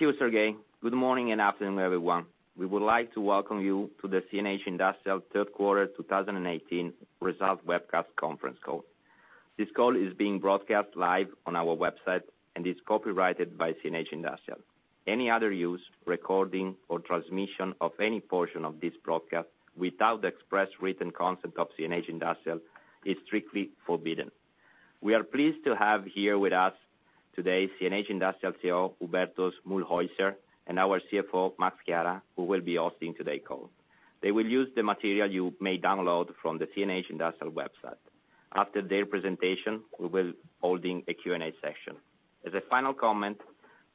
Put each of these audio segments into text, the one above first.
Thank you, Sergey. Good morning and afternoon, everyone. We would like to welcome you to the CNH Industrial third quarter 2018 result webcast conference call. This call is being broadcast live on our website and is copyrighted by CNH Industrial. Any other use, recording, or transmission of any portion of this broadcast without the express written consent of CNH Industrial is strictly forbidden. We are pleased to have here with us today, CNH Industrial CEO, Hubertus Mühlhäuser, and our CFO, Massimiliano Chiara, who will be hosting today's call. They will use the material you may download from the CNH Industrial website. After their presentation, we will be holding a Q&A session. As a final comment,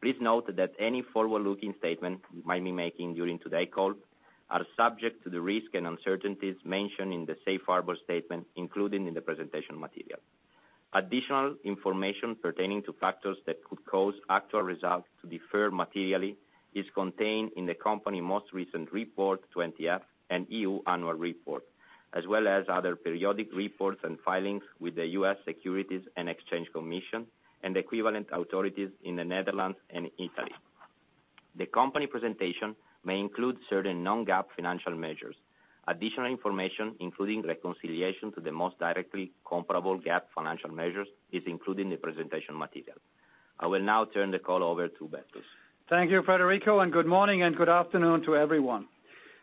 please note that any forward-looking statement we might be making during today call are subject to the risk and uncertainties mentioned in the safe harbor statement, including in the presentation material. Additional information pertaining to factors that could cause actual results to differ materially is contained in the company most recent Form 20-F and EU Annual Report, as well as other periodic reports and filings with the U.S. Securities and Exchange Commission and equivalent authorities in the Netherlands and Italy. The company presentation may include certain non-GAAP financial measures. Additional information, including reconciliation to the most directly comparable GAAP financial measures, is included in the presentation material. I will now turn the call over to Hubertus. Thank you, Federico, and good morning and good afternoon to everyone.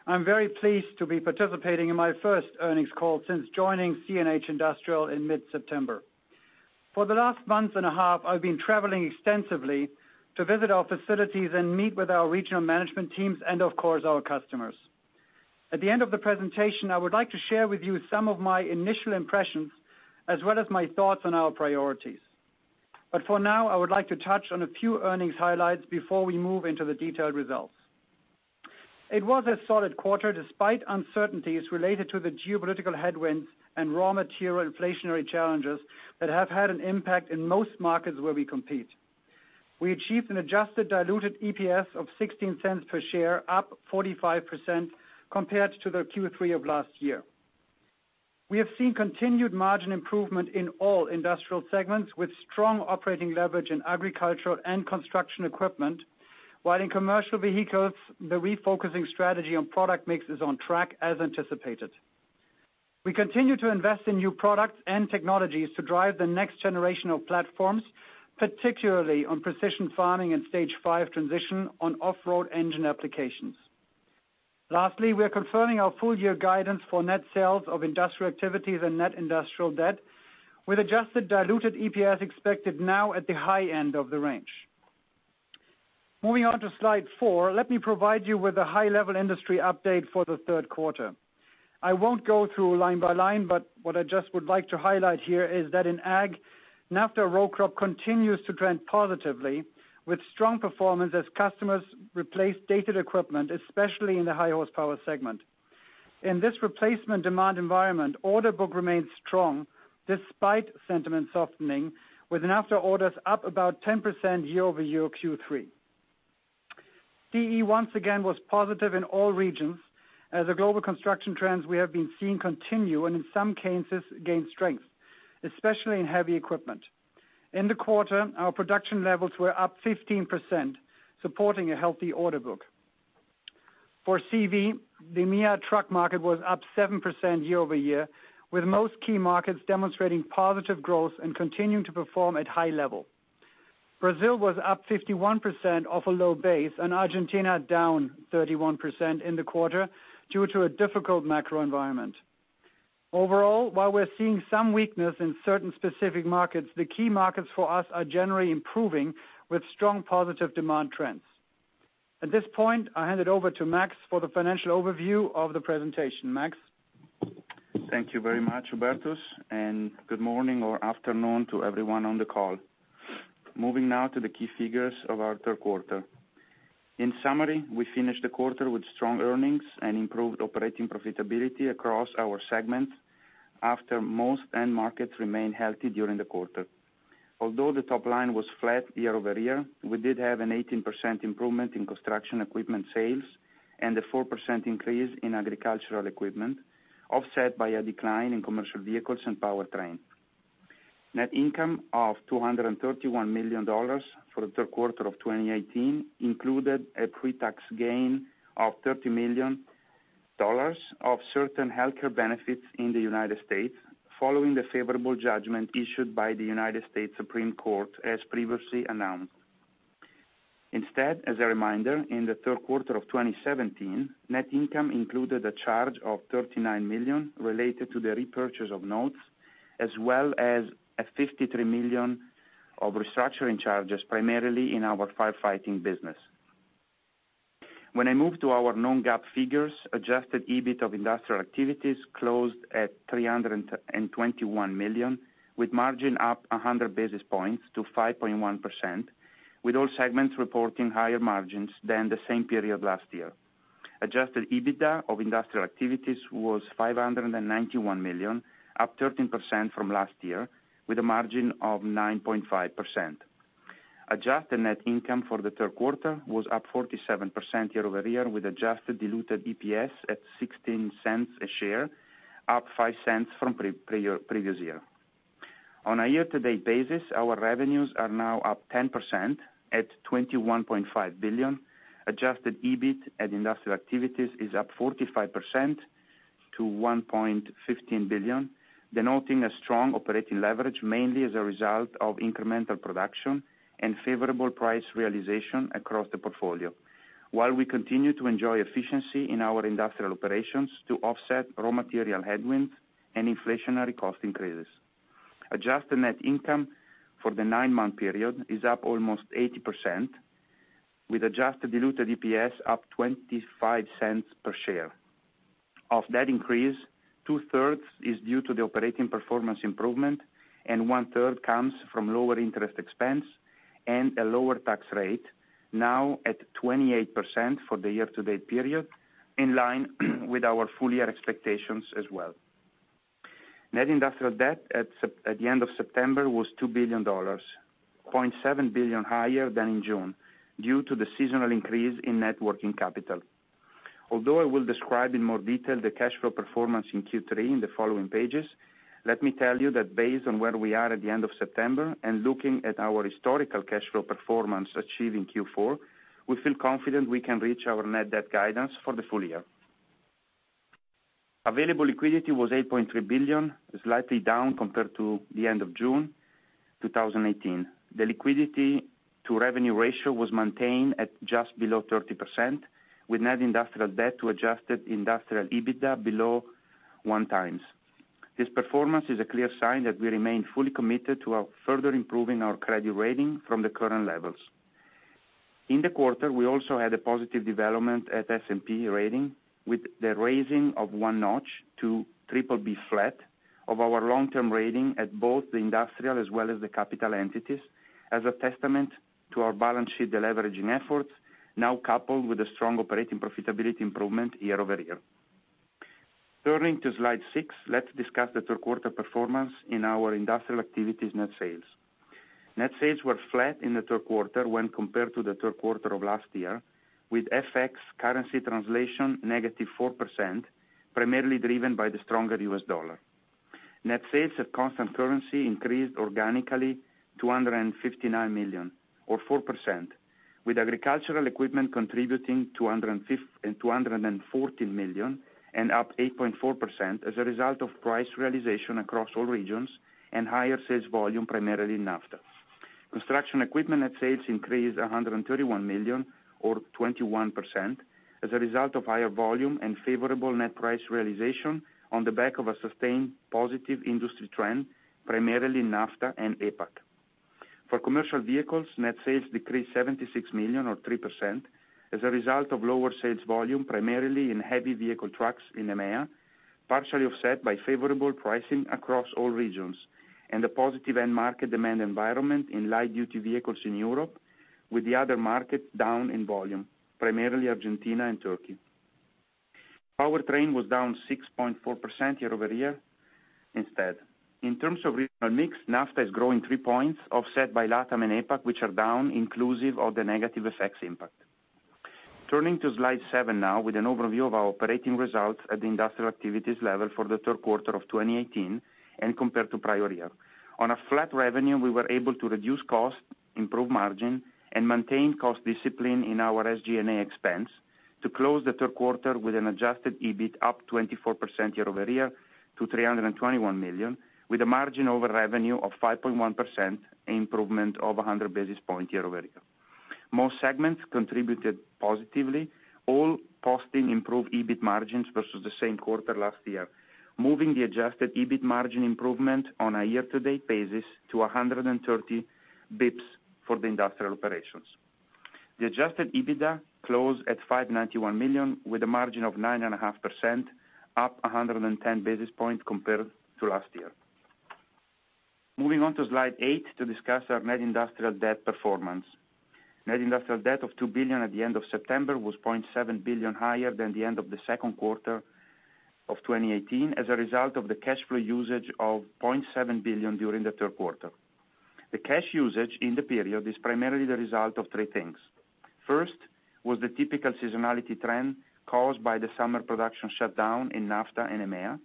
I'm very pleased to be participating in my first earnings call since joining CNH Industrial in mid-September. For the last month and a half, I've been traveling extensively to visit our facilities and meet with our regional management teams and, of course, our customers. At the end of the presentation, I would like to share with you some of my initial impressions as well as my thoughts on our priorities. For now, I would like to touch on a few earnings highlights before we move into the detailed results. It was a solid quarter despite uncertainties related to the geopolitical headwinds and raw material inflationary challenges that have had an impact in most markets where we compete. We achieved an adjusted diluted EPS of $0.16 per share, up 45% compared to the Q3 of last year. We have seen continued margin improvement in all industrial segments with strong operating leverage in agricultural and construction equipment, while in commercial vehicles, the refocusing strategy on product mix is on track as anticipated. We continue to invest in new products and technologies to drive the next generation of platforms, particularly on precision farming and Stage V transition on off-road engine applications. Lastly, we are confirming our full year guidance for net sales of industrial activities and net industrial debt with adjusted diluted EPS expected now at the high end of the range. Moving on to slide four, let me provide you with a high-level industry update for the third quarter. I won't go through line by line, but what I just would like to highlight here is that in ag, NAFTA row crop continues to trend positively with strong performance as customers replace dated equipment, especially in the high horsepower segment. In this replacement demand environment, order book remains strong despite sentiment softening with NAFTA orders up about 10% year-over-year Q3. CE, once again, was positive in all regions as the global construction trends we have been seeing continue and in some cases gain strength, especially in heavy equipment. In the quarter, our production levels were up 15%, supporting a healthy order book. For CV, the EMEA truck market was up 7% year-over-year with most key markets demonstrating positive growth and continuing to perform at high level. Brazil was up 51% off a low base and Argentina down 31% in the quarter due to a difficult macro environment. Overall, while we're seeing some weakness in certain specific markets, the key markets for us are generally improving with strong positive demand trends. At this point, I hand it over to Max for the financial overview of the presentation. Max? Thank you very much, Hubertus, and good morning or afternoon to everyone on the call. Moving now to the key figures of our third quarter. In summary, we finished the quarter with strong earnings and improved operating profitability across our segments after most end markets remained healthy during the quarter. Although the top line was flat year-over-year, we did have an 18% improvement in construction equipment sales and a 4% increase in agricultural equipment, offset by a decline in commercial vehicles and FPT Industrial. Net income of $231 million for the third quarter of 2018 included a pre-tax gain of $30 million of certain healthcare benefits in the U.S. following the favorable judgment issued by the U.S. Supreme Court as previously announced. Instead, as a reminder, in the third quarter of 2017, net income included a charge of $39 million related to the repurchase of notes, as well as $53 million of restructuring charges, primarily in our Magirus business. When I move to our non-GAAP figures, adjusted EBIT of industrial activities closed at $321 million with margin up 100 basis points to 5.1%, with all segments reporting higher margins than the same period last year. Adjusted EBITDA of industrial activities was $591 million, up 13% from last year with a margin of 9.5%. Adjusted net income for the third quarter was up 47% year-over-year with adjusted diluted EPS at $0.16 a share, up $0.05 from previous year. On a year-to-date basis, our revenues are now up 10% at $21.5 billion. Adjusted EBIT at Industrial Activities is up 45% to $1.15 billion, denoting a strong operating leverage mainly as a result of incremental production and favorable price realization across the portfolio. While we continue to enjoy efficiency in our industrial operations to offset raw material headwinds and inflationary cost increases. Adjusted net income for the nine-month period is up almost 80%, with adjusted diluted EPS up $0.25 per share. Of that increase, two-thirds is due to the operating performance improvement, and one-third comes from lower interest expense and a lower tax rate, now at 28% for the year-to-date period, in line with our full-year expectations as well. Net industrial debt at the end of September was $2 billion, $0.7 billion higher than in June due to the seasonal increase in net working capital. Although I will describe in more detail the cash flow performance in Q3 in the following pages, let me tell you that based on where we are at the end of September and looking at our historical cash flow performance achieved in Q4, we feel confident we can reach our net debt guidance for the full-year. Available liquidity was $8.3 billion, slightly down compared to the end of June 2018. The liquidity to revenue ratio was maintained at just below 30%, with net industrial debt to adjusted industrial EBITDA below one times. This performance is a clear sign that we remain fully committed to further improving our credit rating from the current levels. In the quarter, we also had a positive development at S&P rating with the raising of one notch to triple B flat of our long-term rating at both the industrial as well as the capital entities as a testament to our balance sheet deleveraging efforts, now coupled with a strong operating profitability improvement year-over-year. Turning to slide six, let's discuss the third quarter performance in our Industrial Activities' net sales. Net sales were flat in the third quarter when compared to the third quarter of last year, with FX currency translation negative 4%, primarily driven by the stronger U.S. dollar. Net sales at constant currency increased organically to $159 million or 4%, with agricultural equipment contributing $214 million and up 8.4% as a result of price realization across all regions and higher sales volume primarily in NAFTA. Construction equipment net sales increased $131 million or 21% as a result of higher volume and favorable net price realization on the back of a sustained positive industry trend, primarily NAFTA and APAC. For commercial vehicles, net sales decreased $76 million or 3% as a result of lower sales volume, primarily in heavy vehicle trucks in EMEA, partially offset by favorable pricing across all regions and a positive end market demand environment in light-duty vehicles in Europe, with the other market down in volume, primarily Argentina and Turkey. Powertrain was down 6.4% year-over-year instead. In terms of regional mix, NAFTA is growing three points offset by LATAM and APAC, which are down inclusive of the negative FX impact. Turning to slide seven now with an overview of our operating results at the Industrial Activities level for the third quarter of 2018 and compared to prior year. On a flat revenue, we were able to reduce cost, improve margin, and maintain cost discipline in our SG&A expense to close the third quarter with an adjusted EBIT up 24% year-over-year to $321 million, with a margin over revenue of 5.1%, improvement of 100 basis points year-over-year. Most segments contributed positively, all posting improved EBIT margins versus the same quarter last year, moving the adjusted EBIT margin improvement on a year-to-date basis to 130 basis points for the industrial operations. The adjusted EBITDA closed at $591 million, with a margin of 9.5%, up 110 basis points compared to last year. Moving on to slide eight to discuss our net industrial debt performance. Net industrial debt of $2 billion at the end of September was $0.7 billion higher than the end of the second quarter of 2018 as a result of the cash flow usage of $0.7 billion during the third quarter. The cash usage in the period is primarily the result of three things. First was the typical seasonality trend caused by the summer production shutdown in NAFTA and EMEA.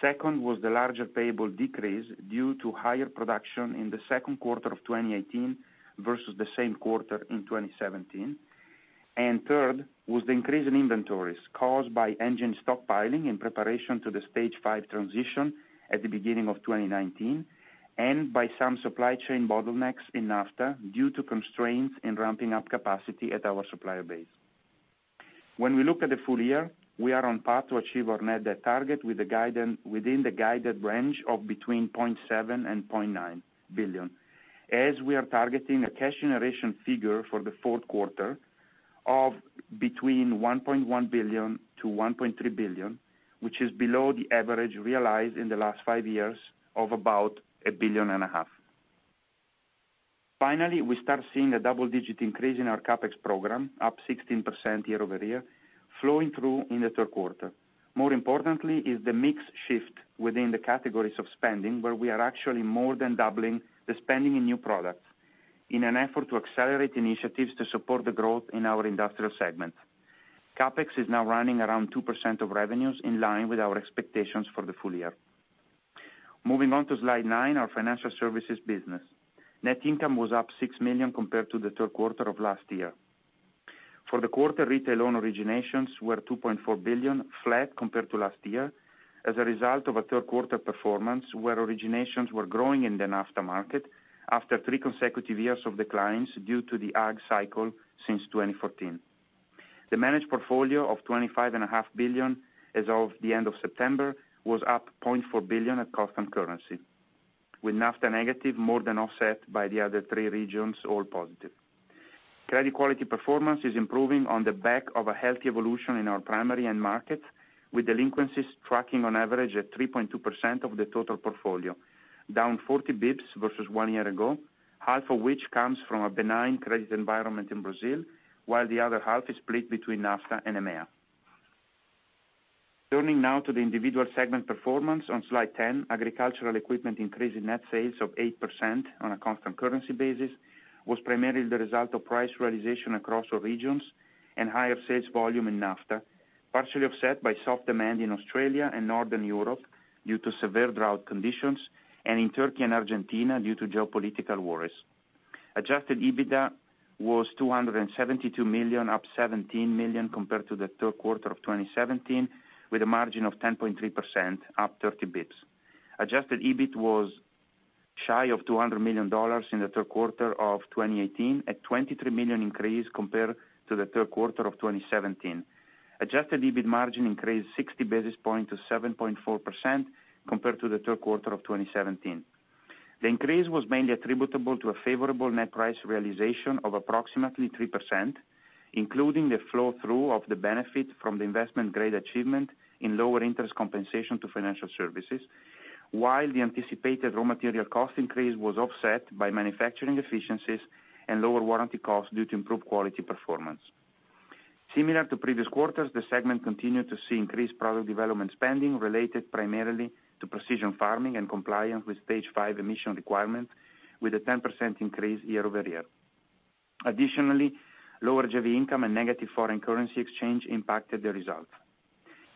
Second was the larger payable decrease due to higher production in the second quarter of 2018 versus the same quarter in 2017. Third was the increase in inventories caused by engine stockpiling in preparation to the Stage V transition at the beginning of 2019 and by some supply chain bottlenecks in NAFTA due to constraints in ramping up capacity at our supplier base. When we look at the full year, we are on path to achieve our net debt target within the guided range of between $0.7 billion-$0.9 billion, as we are targeting a cash generation figure for the fourth quarter of between $1.1 billion-$1.3 billion, which is below the average realized in the last five years of about a billion and a half. Finally, we start seeing a double-digit increase in our CapEx program, up 16% year-over-year, flowing through in the third quarter. More importantly is the mix shift within the categories of spending, where we are actually more than doubling the spending in new products in an effort to accelerate initiatives to support the growth in our industrial segment. CapEx is now running around 2% of revenues, in line with our expectations for the full year. Moving on to slide nine, our financial services business. Net income was up $6 million compared to the third quarter of last year. For the quarter, retail loan originations were $2.4 billion, flat compared to last year, as a result of a third quarter performance where originations were growing in the NAFTA market after three consecutive years of declines due to the ag cycle since 2014. The managed portfolio of $25.5 billion, as of the end of September, was up $0.4 billion at constant currency, with NAFTA negative more than offset by the other three regions, all positive. Credit quality performance is improving on the back of a healthy evolution in our primary end market, with delinquencies tracking on average at 3.2% of the total portfolio, down 40 basis points versus one year ago, half of which comes from a benign credit environment in Brazil, while the other half is split between NAFTA and EMEA. Turning now to the individual segment performance on Slide 10, agricultural equipment increase in net sales of 8% on a constant currency basis was primarily the result of price realization across all regions and higher sales volume in NAFTA, partially offset by soft demand in Australia and Northern Europe due to severe drought conditions, and in Turkey and Argentina due to geopolitical worries. Adjusted EBITDA was $272 million, up $17 million compared to the third quarter of 2017, with a margin of 10.3%, up 30 basis points. Adjusted EBIT was shy of $200 million in the third quarter of 2018, a $23 million increase compared to the third quarter of 2017. Adjusted EBIT margin increased 60 basis points to 7.4% compared to the third quarter of 2017. The increase was mainly attributable to a favorable net price realization of approximately 3%, including the flow-through of the benefit from the investment-grade achievement in lower interest compensation to financial services, while the anticipated raw material cost increase was offset by manufacturing efficiencies and lower warranty costs due to improved quality performance. Similar to previous quarters, the segment continued to see increased product development spending related primarily to precision farming and compliance with Stage 5 emission requirements, with a 10% increase year-over-year. Additionally, lower JV income and negative foreign currency exchange impacted the result.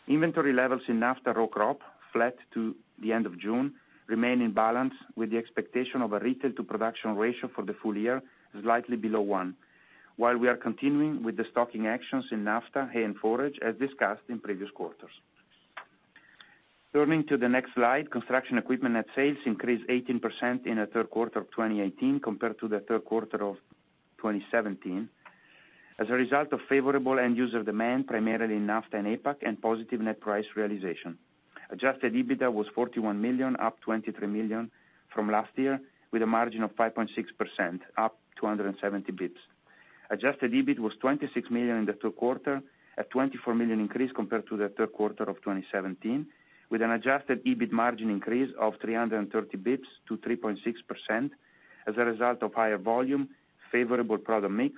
Inventory levels in NAFTA row crop, flat to the end of June, remain in balance with the expectation of a retail to production ratio for the full year slightly below one, while we are continuing with the stocking actions in NAFTA hay and forage, as discussed in previous quarters. Turning to the next slide, construction equipment net sales increased 18% in the third quarter of 2018 compared to the third quarter of 2017 as a result of favorable end user demand, primarily in NAFTA and APAC and positive net price realization. Adjusted EBITDA was $41 million, up $23 million from last year, with a margin of 5.6%, up 270 basis points. Adjusted EBIT was $26 million in the third quarter, a $24 million increase compared to the third quarter of 2017, with an adjusted EBIT margin increase of 330 basis points to 3.6% as a result of higher volume, favorable product mix,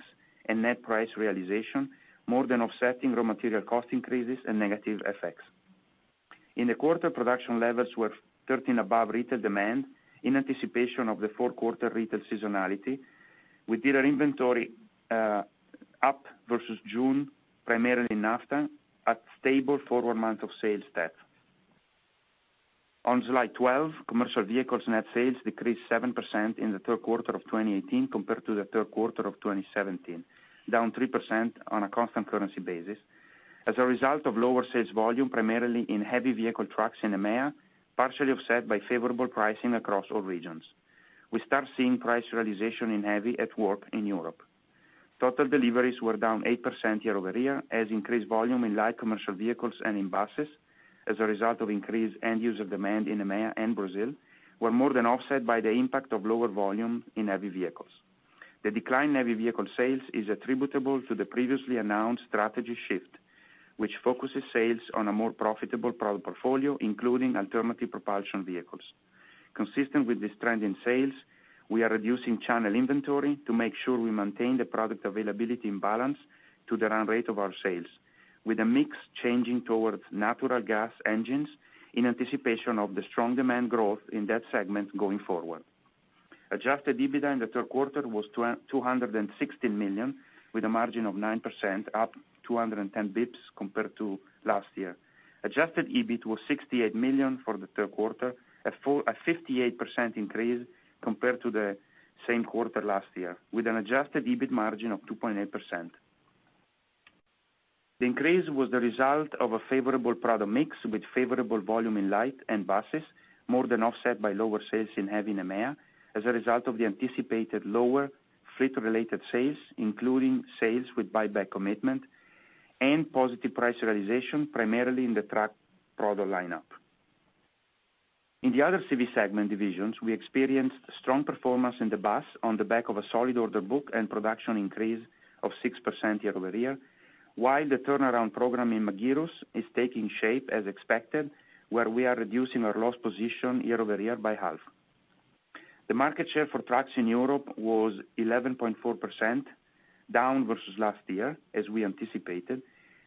and net price realization, more than offsetting raw material cost increases and negative FX. In the quarter, production levels were 13 above retail demand in anticipation of the fourth quarter retail seasonality with dealer inventory up versus June, primarily in NAFTA at stable forward month of sales step. On Slide 12, commercial vehicles net sales decreased 7% in the third quarter of 2018 compared to the third quarter of 2017, down 3% on a constant currency basis as a result of lower sales volume, primarily in heavy vehicle trucks in EMEA, partially offset by favorable pricing across all regions. We start seeing price realization in heavy at work in Europe. Total deliveries were down 8% year-over-year as increased volume in light commercial vehicles and in buses as a result of increased end user demand in EMEA and Brazil were more than offset by the impact of lower volume in heavy vehicles. The decline in heavy vehicle sales is attributable to the previously announced strategy shift, which focuses sales on a more profitable product portfolio, including alternative propulsion vehicles. Consistent with this trend in sales, we are reducing channel inventory to make sure we maintain the product availability and balance to the run rate of our sales, with a mix changing towards natural gas engines in anticipation of the strong demand growth in that segment going forward. Adjusted EBITDA in the third quarter was $260 million, with a margin of 9%, up 210 basis points compared to last year. Adjusted EBIT was $68 million for the third quarter, a 58% increase compared to the same quarter last year, with an adjusted EBIT margin of 2.8%. The increase was the result of a favorable product mix with favorable volume in light and buses, more than offset by lower sales in heavy EMEA as a result of the anticipated lower fleet-related sales, including sales with buyback commitment and positive price realization, primarily in the truck product lineup. In the other CV segment divisions, we experienced strong performance in the bus on the back of a solid order book and production increase of 6% year-over-year, while the turnaround program in Magirus is taking shape as expected, where we are reducing our loss position year-over-year by half. The market share for trucks in Europe was 11.4% down versus last year, as we anticipated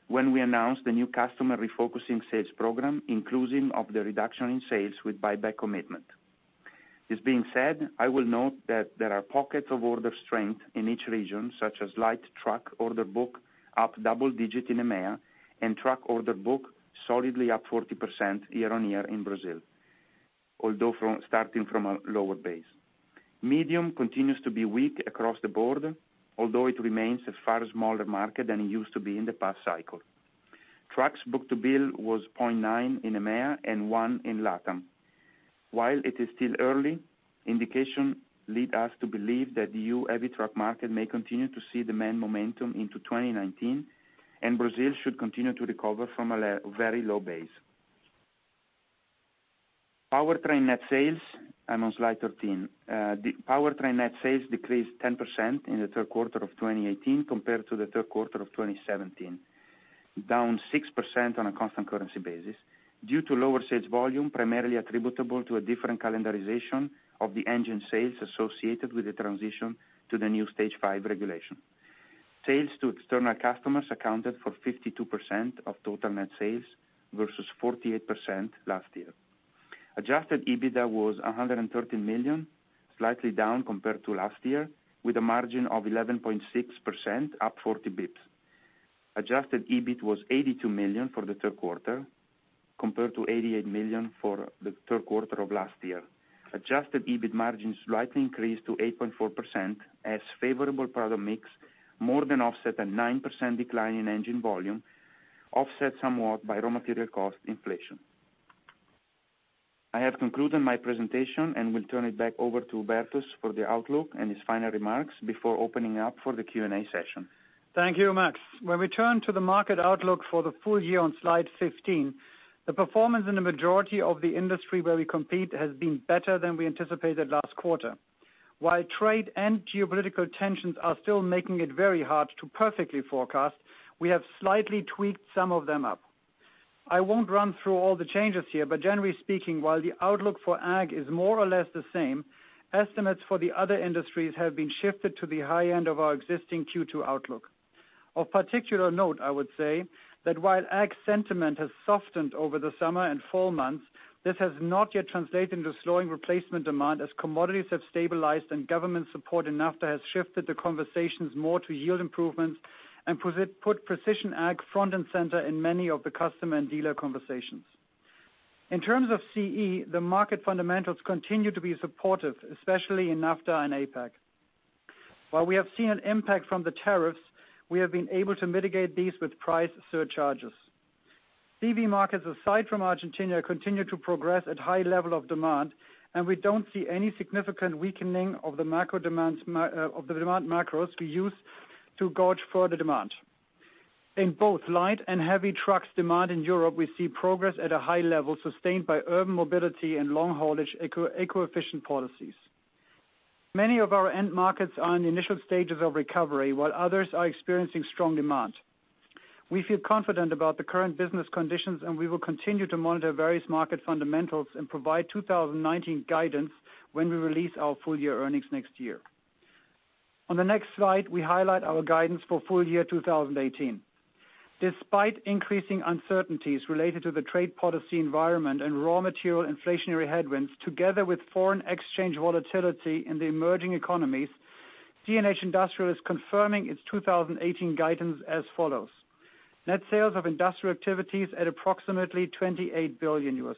when we announced the new customer refocusing sales program, inclusive of the reduction in sales with buyback commitment. This being said, I will note that there are pockets of order strength in each region, such as light truck order book up double-digit in EMEA and truck order book solidly up 40% year-on-year in Brazil, although starting from a lower base. Medium continues to be weak across the board, although it remains a far smaller market than it used to be in the past cycle. Trucks book-to-bill was 0.9 in EMEA and 1 in LATAM. While it is still early, indication lead us to believe that the EU heavy truck market may continue to see demand momentum into 2019, and Brazil should continue to recover from a very low base. Powertrain net sales. I'm on slide 13. The Powertrain net sales decreased 10% in the third quarter of 2018 compared to the third quarter of 2017, down 6% on a constant currency basis due to lower sales volume, primarily attributable to a different calendarization of the engine sales associated with the transition to the new Stage V regulation. Sales to external customers accounted for 52% of total net sales versus 48% last year. Adjusted EBITDA was $113 million, slightly down compared to last year, with a margin of 11.6%, up 40 basis points. Adjusted EBIT was $82 million for the third quarter, compared to $88 million for the third quarter of last year. Adjusted EBIT margins slightly increased to 8.4% as favorable product mix more than offset a 9% decline in engine volume, offset somewhat by raw material cost inflation. I have concluded my presentation and will turn it back over to Hubertus for the outlook and his final remarks before opening up for the Q&A session. Thank you, Max. When we turn to the market outlook for the full year on slide 15, the performance in the majority of the industry where we compete has been better than we anticipated last quarter. While trade and geopolitical tensions are still making it very hard to perfectly forecast, we have slightly tweaked some of them up. I won't run through all the changes here, but generally speaking, while the outlook for ag is more or less the same, estimates for the other industries have been shifted to the high end of our existing Q2 outlook. Of particular note, I would say that while ag sentiment has softened over the summer and fall months, this has not yet translated into slowing replacement demand, as commodities have stabilized and government support in NAFTA has shifted the conversations more to yield improvements and put precision ag front and center in many of the customer and dealer conversations. In terms of CE, the market fundamentals continue to be supportive, especially in NAFTA and APAC. While we have seen an impact from the tariffs, we have been able to mitigate these with price surcharges. CV markets, aside from Argentina, continue to progress at high level of demand, and we don't see any significant weakening of the demand macros we use to gauge further demand. In both light and heavy trucks demand in Europe, we see progress at a high level sustained by urban mobility and long-haulage eco-efficient policies. Many of our end markets are in the initial stages of recovery, while others are experiencing strong demand. We feel confident about the current business conditions, and we will continue to monitor various market fundamentals and provide 2019 guidance when we release our full year earnings next year. On the next slide, we highlight our guidance for full year 2018. Despite increasing uncertainties related to the trade policy environment and raw material inflationary headwinds, together with foreign exchange volatility in the emerging economies, CNH Industrial is confirming its 2018 guidance as follows. Net sales of industrial activities at approximately $28 billion.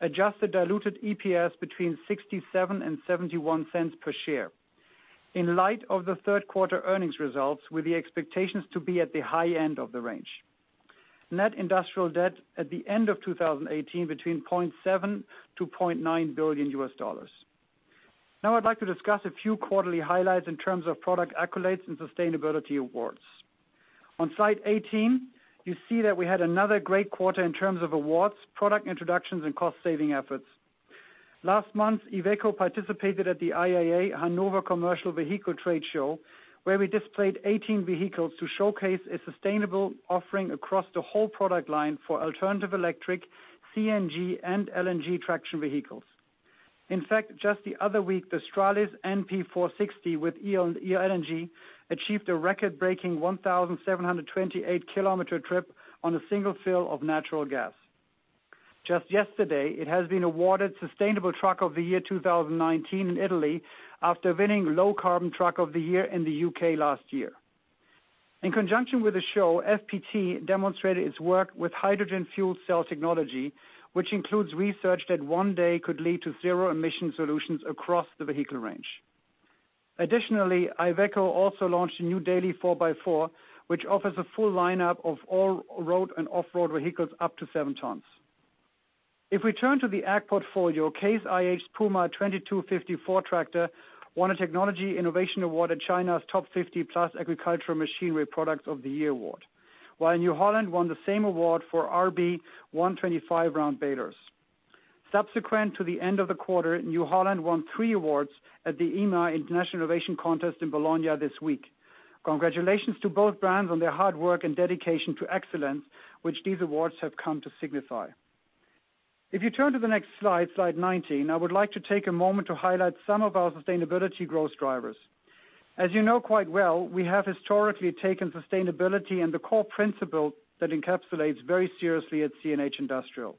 Adjusted diluted EPS between $0.67 and $0.71 per share. In light of the third quarter earnings results with the expectations to be at the high end of the range. Net industrial debt at the end of 2018 between $0.7 billion-$0.9 billion. Now I'd like to discuss a few quarterly highlights in terms of product accolades and sustainability awards. On slide 18, you see that we had another great quarter in terms of awards, product introductions and cost saving efforts. Last month, Iveco participated at the IAA Hannover Commercial Vehicle Trade Show, where we displayed 18 vehicles to showcase a sustainable offering across the whole product line for alternative electric CNG and LNG traction vehicles. In fact, just the other week, the Stralis NP 460 with LNG achieved a record-breaking 1,728-kilometer trip on a single fill of natural gas. Just yesterday, it has been awarded Sustainable Truck of the Year 2019 in Italy after winning Low Carbon Truck of the Year in the U.K. last year. In conjunction with the show, FPT demonstrated its work with hydrogen fuel cell technology, which includes research that one day could lead to zero emission solutions across the vehicle range. Additionally, Iveco also launched a new Daily 4x4, which offers a full lineup of all road and off-road vehicles up to seven tons. If we turn to the ag portfolio, Case IH Puma 2254 tractor won a Technology Innovation Award at China's TOP50+ Agricultural Machinery Products of the Year Award. While New Holland won the same award for RB 125 round balers. Subsequent to the end of the quarter, New Holland won three awards at the EIMA International Innovation Contest in Bologna this week. Congratulations to both brands on their hard work and dedication to excellence, which these awards have come to signify. If you turn to the next slide 19, I would like to take a moment to highlight some of our sustainability growth drivers. As you know quite well, we have historically taken sustainability and the core principle that encapsulates very seriously at CNH Industrial.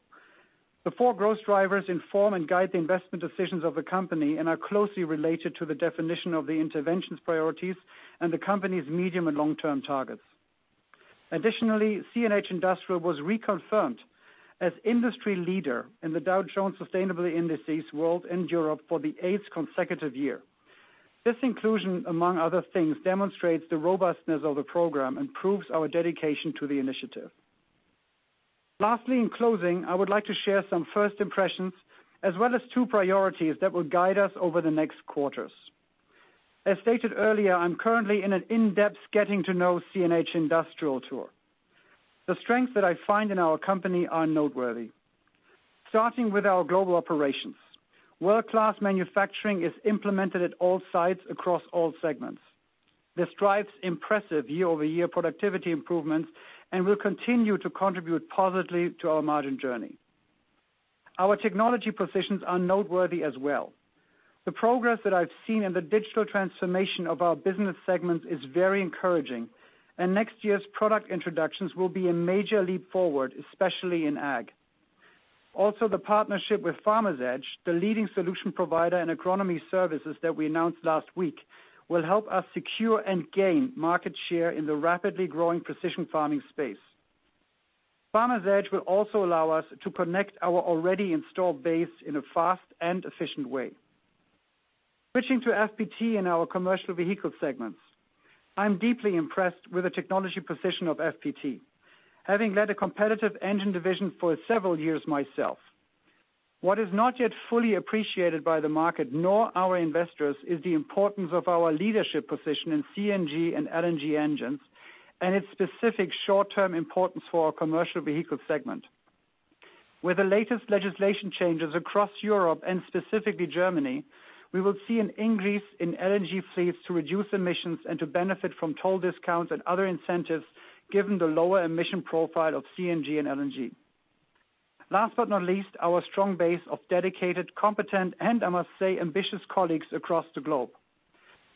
The four growth drivers inform and guide the investment decisions of the company and are closely related to the definition of the interventions, priorities, and the company's medium and long-term targets. Additionally, CNH Industrial was reconfirmed as industry leader in the Dow Jones Sustainability Indices World and Europe for the eighth consecutive year. This inclusion, among other things, demonstrates the robustness of the program and proves our dedication to the initiative. Lastly, in closing, I would like to share some first impressions, as well as two priorities that will guide us over the next quarters. As stated earlier, I'm currently in an in-depth getting to know CNH Industrial tour. The strengths that I find in our company are noteworthy. Starting with our global operations. World-class manufacturing is implemented at all sites across all segments. This drives impressive year-over-year productivity improvements and will continue to contribute positively to our margin journey. Our technology positions are noteworthy as well. The progress that I've seen in the digital transformation of our business segments is very encouraging, and next year's product introductions will be a major leap forward, especially in ag. Also, the partnership with Farmers Edge, the leading solution provider in agronomy services that we announced last week, will help us secure and gain market share in the rapidly growing precision farming space. Farmers Edge will also allow us to connect our already installed base in a fast and efficient way. Switching to FPT in our commercial vehicle segments. I'm deeply impressed with the technology position of FPT, having led a competitive engine division for several years myself. What is not yet fully appreciated by the market nor our investors is the importance of our leadership position in CNG and LNG engines and its specific short-term importance for our commercial vehicle segment. With the latest legislation changes across Europe and specifically Germany, we will see an increase in LNG fleets to reduce emissions and to benefit from toll discounts and other incentives, given the lower emission profile of CNG and LNG. Last but not least, our strong base of dedicated, competent, and I must say, ambitious colleagues across the globe.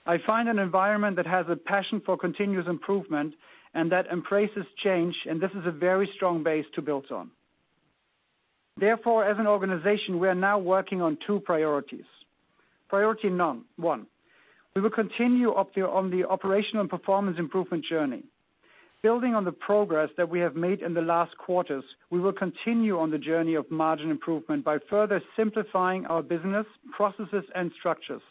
I find an environment that has a passion for continuous improvement and that embraces change, and this is a very strong base to build on. Therefore, as an organization, we are now working on two priorities. Priority one, we will continue on the operational performance improvement journey. Building on the progress that we have made in the last quarters, we will continue on the journey of margin improvement by further simplifying our business processes and structures.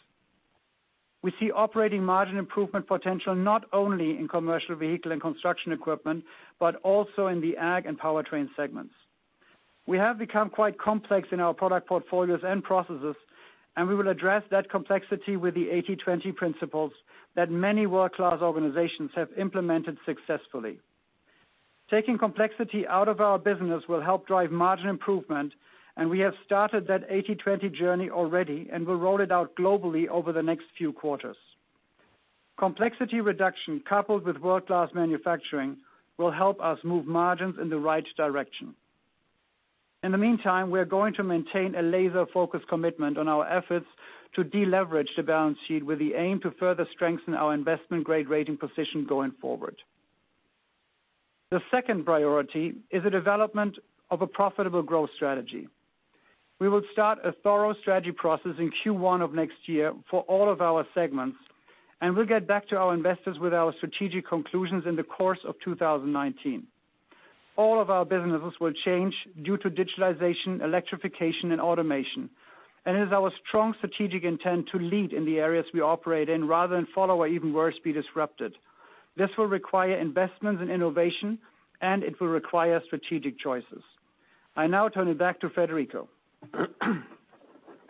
We see operating margin improvement potential not only in commercial vehicle and construction equipment, but also in the ag and powertrain segments. We have become quite complex in our product portfolios and processes, and we will address that complexity with the 80/20 principles that many world-class organizations have implemented successfully. Taking complexity out of our business will help drive margin improvement, and we have started that 80/20 journey already and will roll it out globally over the next few quarters. Complexity reduction, coupled with world-class manufacturing, will help us move margins in the right direction. In the meantime, we are going to maintain a laser-focused commitment on our efforts to deleverage the balance sheet with the aim to further strengthen our investment-grade rating position going forward. The second priority is the development of a profitable growth strategy. We will start a thorough strategy process in Q1 of next year for all of our segments, and we will get back to our investors with our strategic conclusions in the course of 2019. All of our businesses will change due to digitalization, electrification and automation. It is our strong strategic intent to lead in the areas we operate in rather than follow or, even worse, be disrupted. This will require investments in innovation, and it will require strategic choices. I now turn it back to Federico.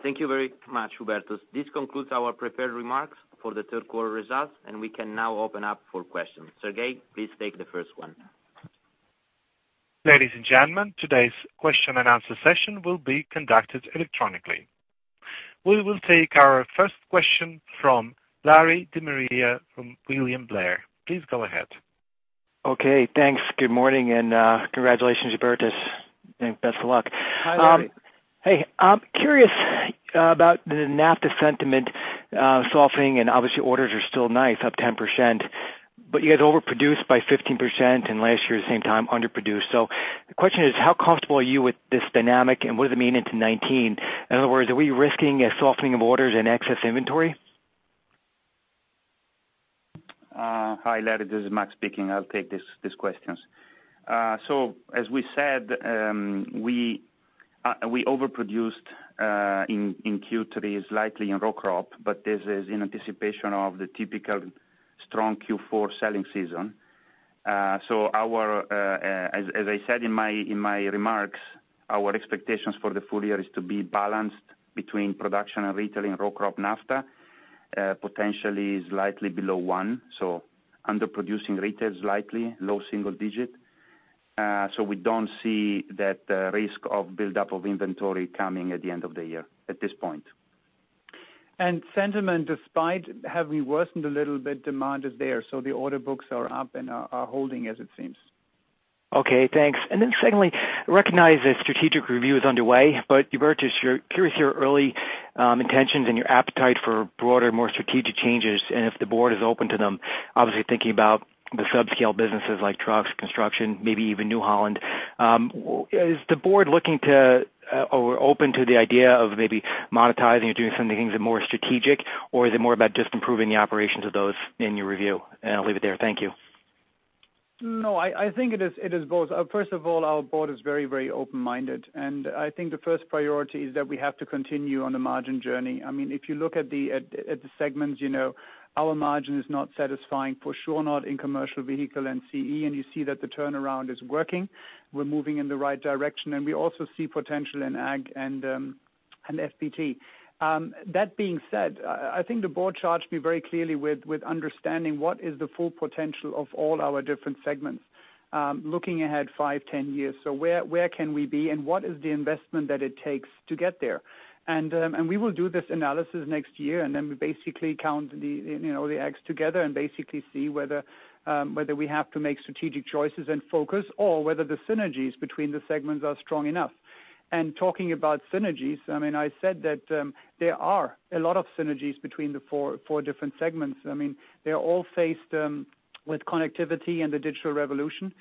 Thank you very much, Hubertus. This concludes our prepared remarks for the third quarter results, and we can now open up for questions. Sergey, please take the first one. Ladies and gentlemen, today's question and answer session will be conducted electronically. We will take our first question from Larry DeMaria from William Blair. Please go ahead. Okay, thanks. Good morning, congratulations, Hubertus, and best of luck. Hi, Larry. Hey. I'm curious about the NAFTA sentiment softening, obviously orders are still nice, up 10%, you guys overproduced by 15% and last year, the same time, underproduced. The question is, how comfortable are you with this dynamic, what does it mean into 2019? In other words, are we risking a softening of orders and excess inventory? Hi, Larry. This is Max speaking. I'll take these questions. As we said, we overproduced in Q3 slightly in row crop, this is in anticipation of the typical strong Q4 selling season. As I said in my remarks, our expectations for the full year is to be balanced between production and retailing row crop NAFTA, potentially slightly below one, underproducing retail slightly, low single digit. We don't see that risk of buildup of inventory coming at the end of the year at this point. Sentiment, despite having worsened a little bit, demand is there. The order books are up and are holding as it seems. Okay, thanks. Secondly, recognize that strategic review is underway, but Hubertus, curious your early intentions and your appetite for broader, more strategic changes and if the board is open to them, obviously thinking about the subscale businesses like trucks, construction, maybe even New Holland. Is the board looking to or open to the idea of maybe monetizing or doing something more strategic, or is it more about just improving the operations of those in your review? I'll leave it there. Thank you. No, I think it is both. First of all, our board is very open-minded. I think the first priority is that we have to continue on the margin journey. If you look at the segments, our margin is not satisfying, for sure not in commercial vehicle and CE, and you see that the turnaround is working. We're moving in the right direction, and we also see potential in Ag and FPT. That being said, I think the board charged me very clearly with understanding what is the full potential of all our different segments, looking ahead five, 10 years. Where can we be, and what is the investment that it takes to get there? We will do this analysis next year. We basically count the eggs together and basically see whether we have to make strategic choices and focus or whether the synergies between the segments are strong enough. Talking about synergies, I said that there are a lot of synergies between the four different segments. They're all faced with connectivity and the digital revolution.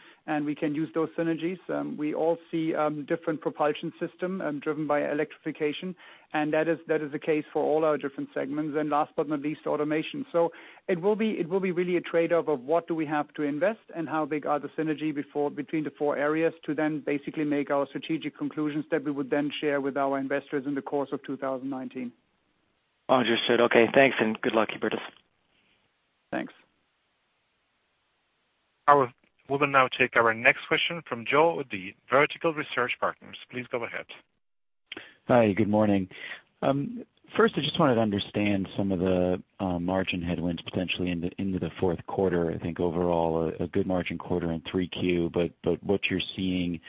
We can use those synergies. We all see different propulsion system driven by electrification. That is the case for all our different segments. Last but not least, automation. It will be really a trade-off of what do we have to invest and how big are the synergy between the four areas to then basically make our strategic conclusions that we would then share with our investors in the course of 2019. Understood. Okay, thanks and good luck, Hubertus. Thanks. We will now take our next question from Joe O'Dea, Vertical Research Partners. Please go ahead. Hi, good morning. First, I just wanted to understand some of the margin headwinds potentially into the fourth quarter. I think overall, a good margin quarter in three Q. What you're seeing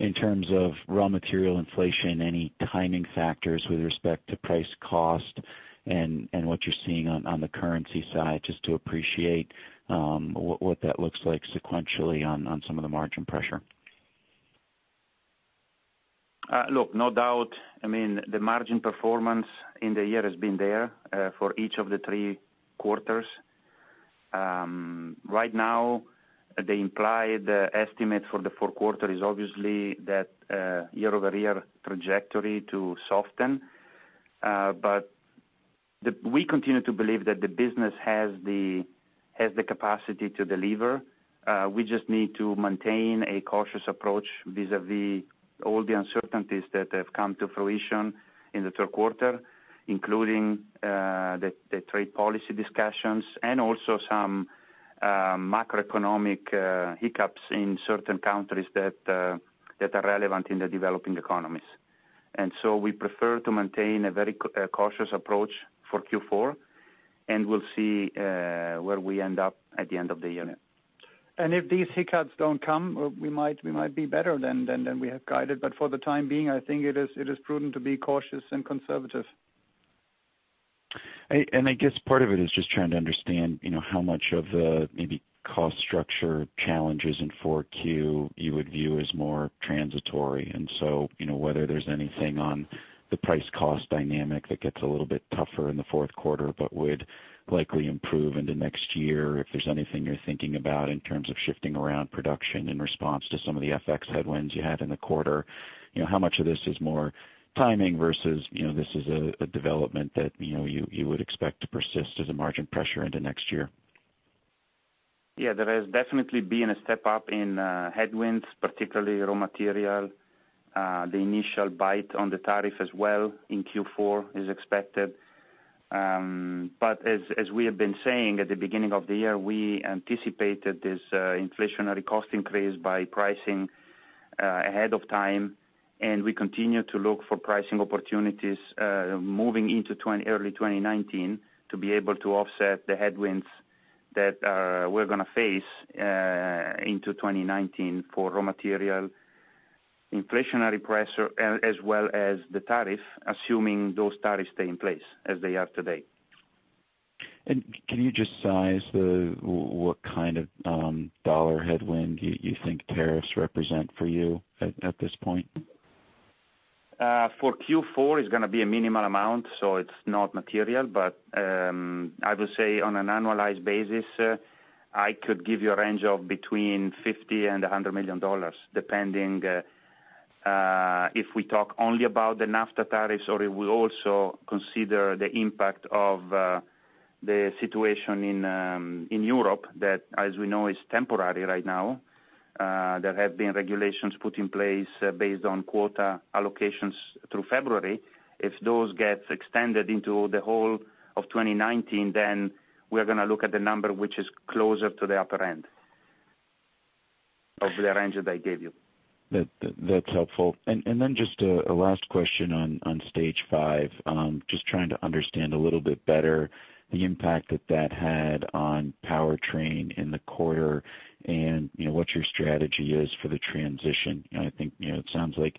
in terms of raw material inflation, any timing factors with respect to price cost and what you're seeing on the currency side, just to appreciate what that looks like sequentially on some of the margin pressure. Look, no doubt, the margin performance in the year has been there for each of the three quarters. Right now, the implied estimate for the fourth quarter is obviously that year-over-year trajectory to soften. We continue to believe that the business has the capacity to deliver. We just need to maintain a cautious approach vis-a-vis all the uncertainties that have come to fruition in the third quarter, including the trade policy discussions and also some macroeconomic hiccups in certain countries that are relevant in the developing economies. We prefer to maintain a very cautious approach for Q4, and we'll see where we end up at the end of the year. If these hiccups don't come, we might be better than we have guided. For the time being, I think it is prudent to be cautious and conservative. I guess part of it is just trying to understand how much of the maybe cost structure challenges in 4Q you would view as more transitory. Whether there's anything on the price cost dynamic that gets a little bit tougher in the fourth quarter but would likely improve into next year, if there's anything you're thinking about in terms of shifting around production in response to some of the FX headwinds you had in the quarter. How much of this is more timing versus this is a development that you would expect to persist as a margin pressure into next year? There has definitely been a step up in headwinds, particularly raw material. The initial bite on the tariff as well in Q4 is expected. As we have been saying at the beginning of the year, we anticipated this inflationary cost increase by pricing ahead of time, and we continue to look for pricing opportunities moving into early 2019 to be able to offset the headwinds that we're going to face into 2019 for raw material inflationary pressure, as well as the tariff, assuming those tariffs stay in place as they are today. Can you just size what kind of dollar headwind you think tariffs represent for you at this point? Q4, it's going to be a minimal amount, it's not material. I would say on an annualized basis, I could give you a range of between $50 and $100 million, depending if we talk only about the NAFTA tariffs or if we also consider the impact of the situation in Europe that, as we know, is temporary right now. There have been regulations put in place based on quota allocations through February. If those get extended into the whole of 2019, we are going to look at the number which is closer to the upper end of the range that I gave you. That's helpful. Just a last question on Stage V, just trying to understand a little bit better the impact that that had on powertrain in the quarter and what your strategy is for the transition. I think it sounds like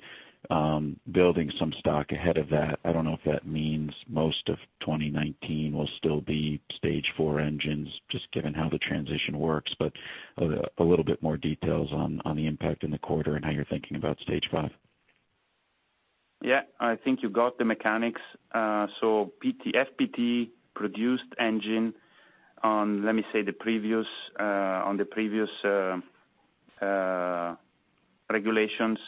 building some stock ahead of that. I don't know if that means most of 2019 will still be Stage IV engines, just given how the transition works, but a little bit more details on the impact in the quarter and how you're thinking about Stage V. I think you got the mechanics. FPT produced engine on, let me say, the previous regulations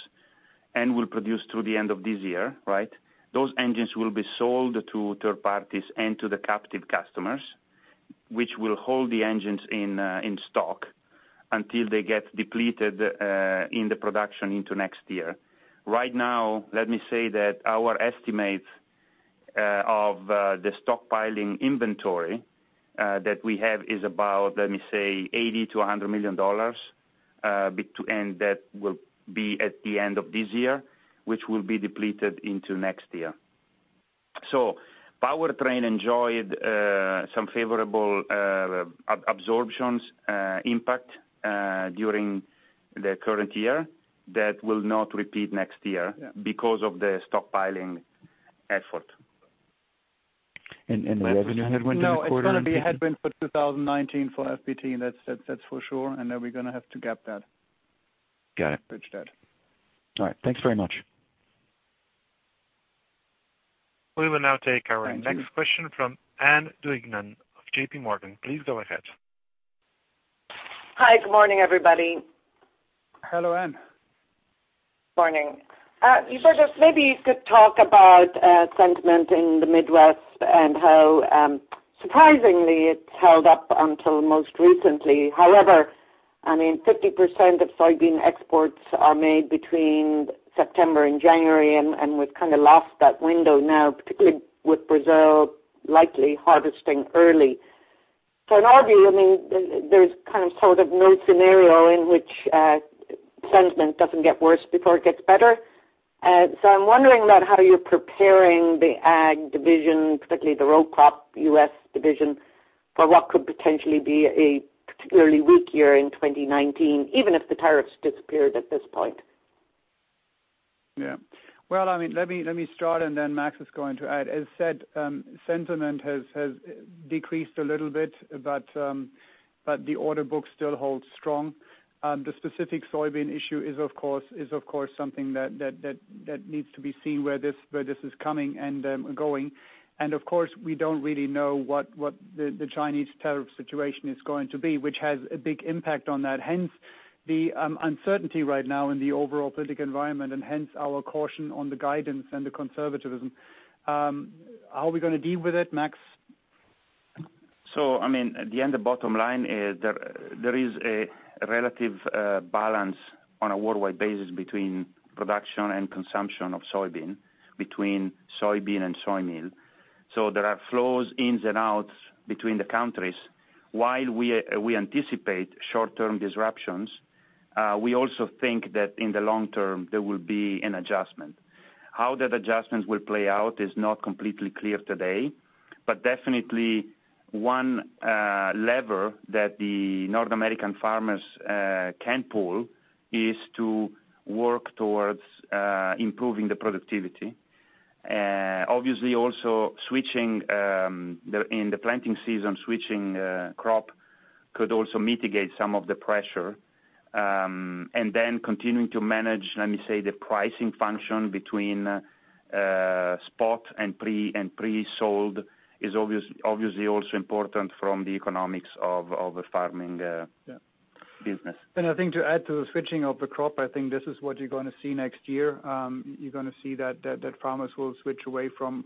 and will produce through the end of this year, right? Those engines will be sold to third parties and to the captive customers, which will hold the engines in stock until they get depleted in the production into next year. Right now, let me say that our estimate of the stockpiling inventory that we have is about, let me say, $80 million-$100 million, and that will be at the end of this year, which will be depleted into next year. Powertrain enjoyed some favorable absorptions impact during the current year that will not repeat next year because of the stockpiling effort. The revenue headwind in the quarter? No, it's going to be a headwind for 2019 for FPT, and that's for sure. Then we're going to have to gap that. Got it. Bridge that. All right. Thanks very much. We will now take our next question from Ann Duignan of J.P. Morgan. Please go ahead. Hi. Good morning, everybody. Hello, Ann. Morning. Hubertus, maybe you could talk about sentiment in the Midwest and how surprisingly it's held up until most recently. However, I mean, 50% of soybean exports are made between September and January, we've kind of lost that window now, particularly with Brazil likely harvesting early. In our view, I mean, there's kind of, sort of no scenario in which sentiment doesn't get worse before it gets better. I'm wondering about how you're preparing the ag division, particularly the row crop U.S. division, for what could potentially be a particularly weak year in 2019, even if the tariffs disappeared at this point. Well, I mean, let me start, then Max is going to add. As said, sentiment has decreased a little bit. The order book still holds strong. The specific soybean issue is, of course, something that needs to be seen where this is coming and going. Of course, we don't really know what the Chinese tariff situation is going to be, which has a big impact on that. Hence, the uncertainty right now in the overall political environment and hence our caution on the guidance and the conservatism. How are we going to deal with it, Max? I mean, at the end, the bottom line is there is a relative balance on a worldwide basis between production and consumption of soybean, between soybean and soymeal. There are flows in and out between the countries. While we anticipate short-term disruptions, we also think that in the long term, there will be an adjustment. How that adjustment will play out is not completely clear today, but definitely one lever that the North American farmers can pull is to work towards improving the productivity. Obviously, also in the planting season, switching crop could also mitigate some of the pressure. Then continuing to manage, let me say, the pricing function between spot and pre-sold is obviously also important from the economics of a farming business. I think to add to the switching of the crop, I think this is what you're going to see next year. You're going to see that farmers will switch away from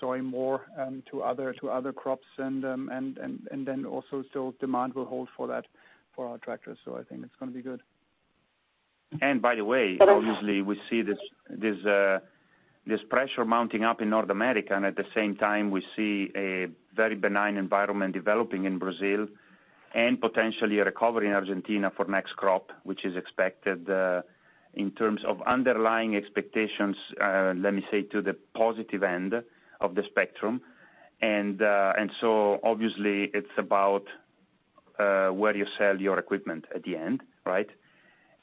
soy more and to other crops and then also still demand will hold for our tractors. I think it's going to be good. By the way, obviously we see this pressure mounting up in North America, and at the same time, we see a very benign environment developing in Brazil and potentially a recovery in Argentina for next crop, which is expected, in terms of underlying expectations, let me say, to the positive end of the spectrum. Obviously it's about where you sell your equipment at the end, right?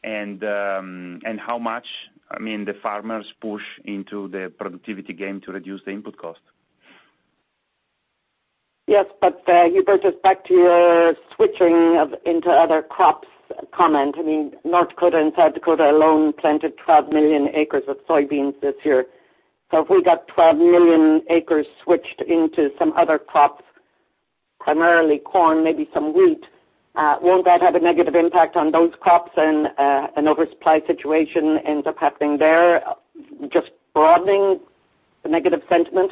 How much, I mean, the farmers push into the productivity game to reduce the input cost. Yes, Hubertus, back to your switching into other crops comment. I mean, North Dakota and South Dakota alone planted 12 million acres of soybeans this year. If we got 12 million acres switched into some other crops, primarily corn, maybe some wheat, won't that have a negative impact on those crops and an oversupply situation ends up happening there, just broadening the negative sentiment?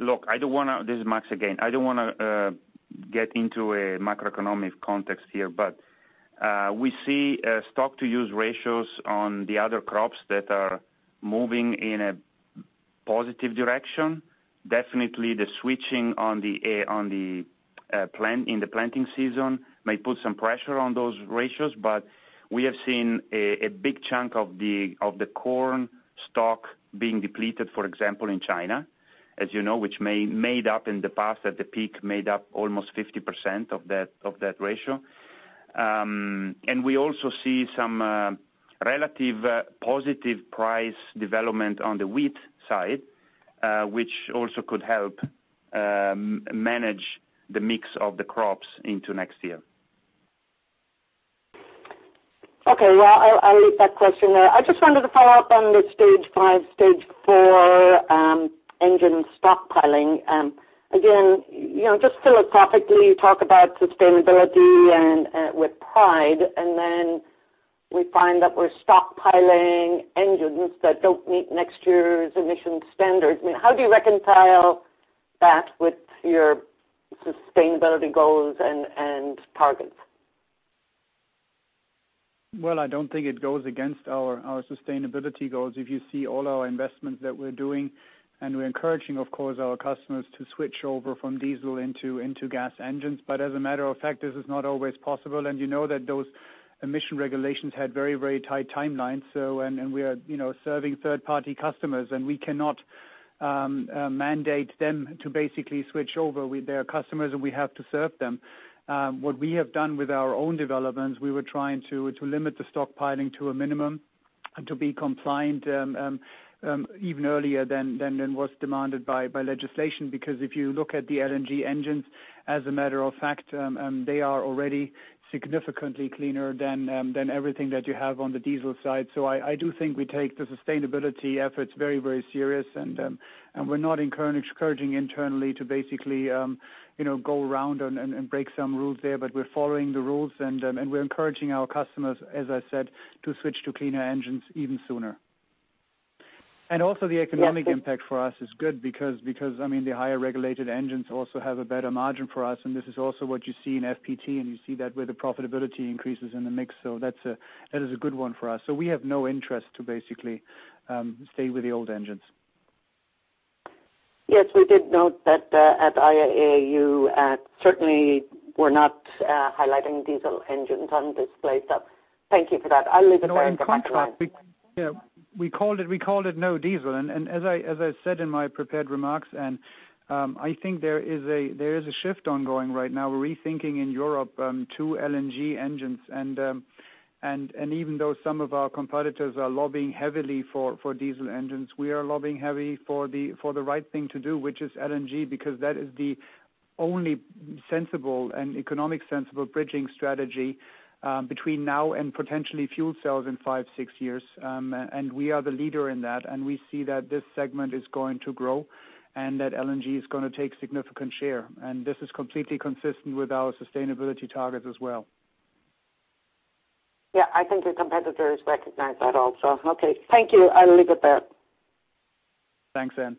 Look, this is Max again. I don't want to get into a macroeconomic context here, we see stock-to-use ratios on the other crops that are moving in a positive direction. Definitely the switching in the planting season may put some pressure on those ratios, we have seen a big chunk of the corn stock being depleted, for example, in China, as you know, which made up in the past, at the peak, made up almost 50% of that ratio. We also see some relative positive price development on the wheat side which also could help manage the mix of the crops into next year. Okay. Well, I'll leave that question there. I just wanted to follow up on the stage 5, stage 4 engine stockpiling. Again, just philosophically, you talk about sustainability and with pride, then we find that we're stockpiling engines that don't meet next year's emission standards. How do you reconcile that with your sustainability goals and targets? Well, I don't think it goes against our sustainability goals. If you see all our investments that we're doing, we're encouraging, of course, our customers to switch over from diesel into gas engines. As a matter of fact, this is not always possible. You know that those emission regulations had very tight timelines. We are serving third-party customers, we cannot mandate them to basically switch over with their customers, and we have to serve them. What we have done with our own developments, we were trying to limit the stockpiling to a minimum and to be compliant even earlier than was demanded by legislation. Because if you look at the LNG engines, as a matter of fact, they are already significantly cleaner than everything that you have on the diesel side. I do think we take the sustainability efforts very serious, and we're not encouraging internally to basically go around and break some rules there. We're following the rules and we're encouraging our customers, as I said, to switch to cleaner engines even sooner. Also the economic impact for us is good because the higher regulated engines also have a better margin for us, and this is also what you see in FPT, and you see that where the profitability increases in the mix. That is a good one for us. We have no interest to basically stay with the old engines. Yes, we did note that at IAA, you certainly were not highlighting diesel engines on display. Thank you for that. I'll leave it there. No, in contrast, we called it no diesel. As I said in my prepared remarks, Ann, I think there is a shift ongoing right now. We're rethinking in Europe to LNG engines. Even though some of our competitors are lobbying heavy for diesel engines, we are lobbying heavy for the right thing to do, which is LNG, because that is the only sensible and economic sensible bridging strategy between now and potentially fuel cells in five, six years. We are the leader in that, and we see that this segment is going to grow and that LNG is going to take significant share. This is completely consistent with our sustainability targets as well. Yeah, I think your competitors recognize that also. Okay. Thank you. I'll leave it there. Thanks, Ann.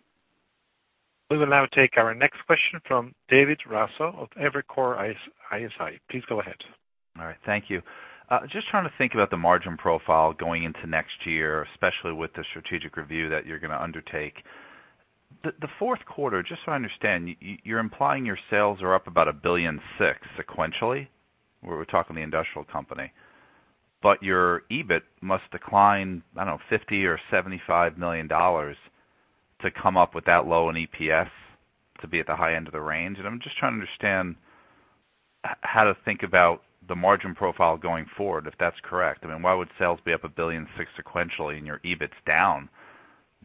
We will now take our next question from David Raso of Evercore ISI. Please go ahead. All right. Thank you. Just trying to think about the margin profile going into next year, especially with the strategic review that you're going to undertake. The fourth quarter, just so I understand, you're implying your sales are up about $1.6 billion sequentially, where we're talking the industrial company. Your EBIT must decline, I don't know, $50 million or $75 million to come up with that low in EPS to be at the high end of the range. I'm just trying to understand how to think about the margin profile going forward, if that's correct. I mean, why would sales be up $1.6 billion sequentially and your EBIT's down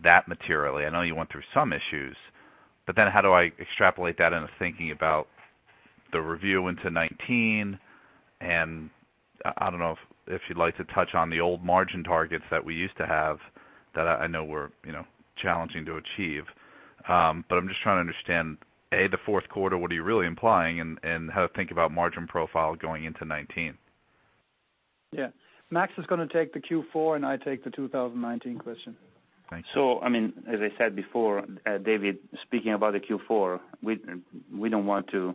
that materially? I know you went through some issues, but then how do I extrapolate that into thinking about the review into 2019? I don't know if you'd like to touch on the old margin targets that we used to have that I know were challenging to achieve. I'm just trying to understand, A, the fourth quarter, what are you really implying and how to think about margin profile going into 2019? Yeah. Max is going to take the Q4. I take the 2019 question. Thanks. As I said before, David, speaking about the Q4, we don't want to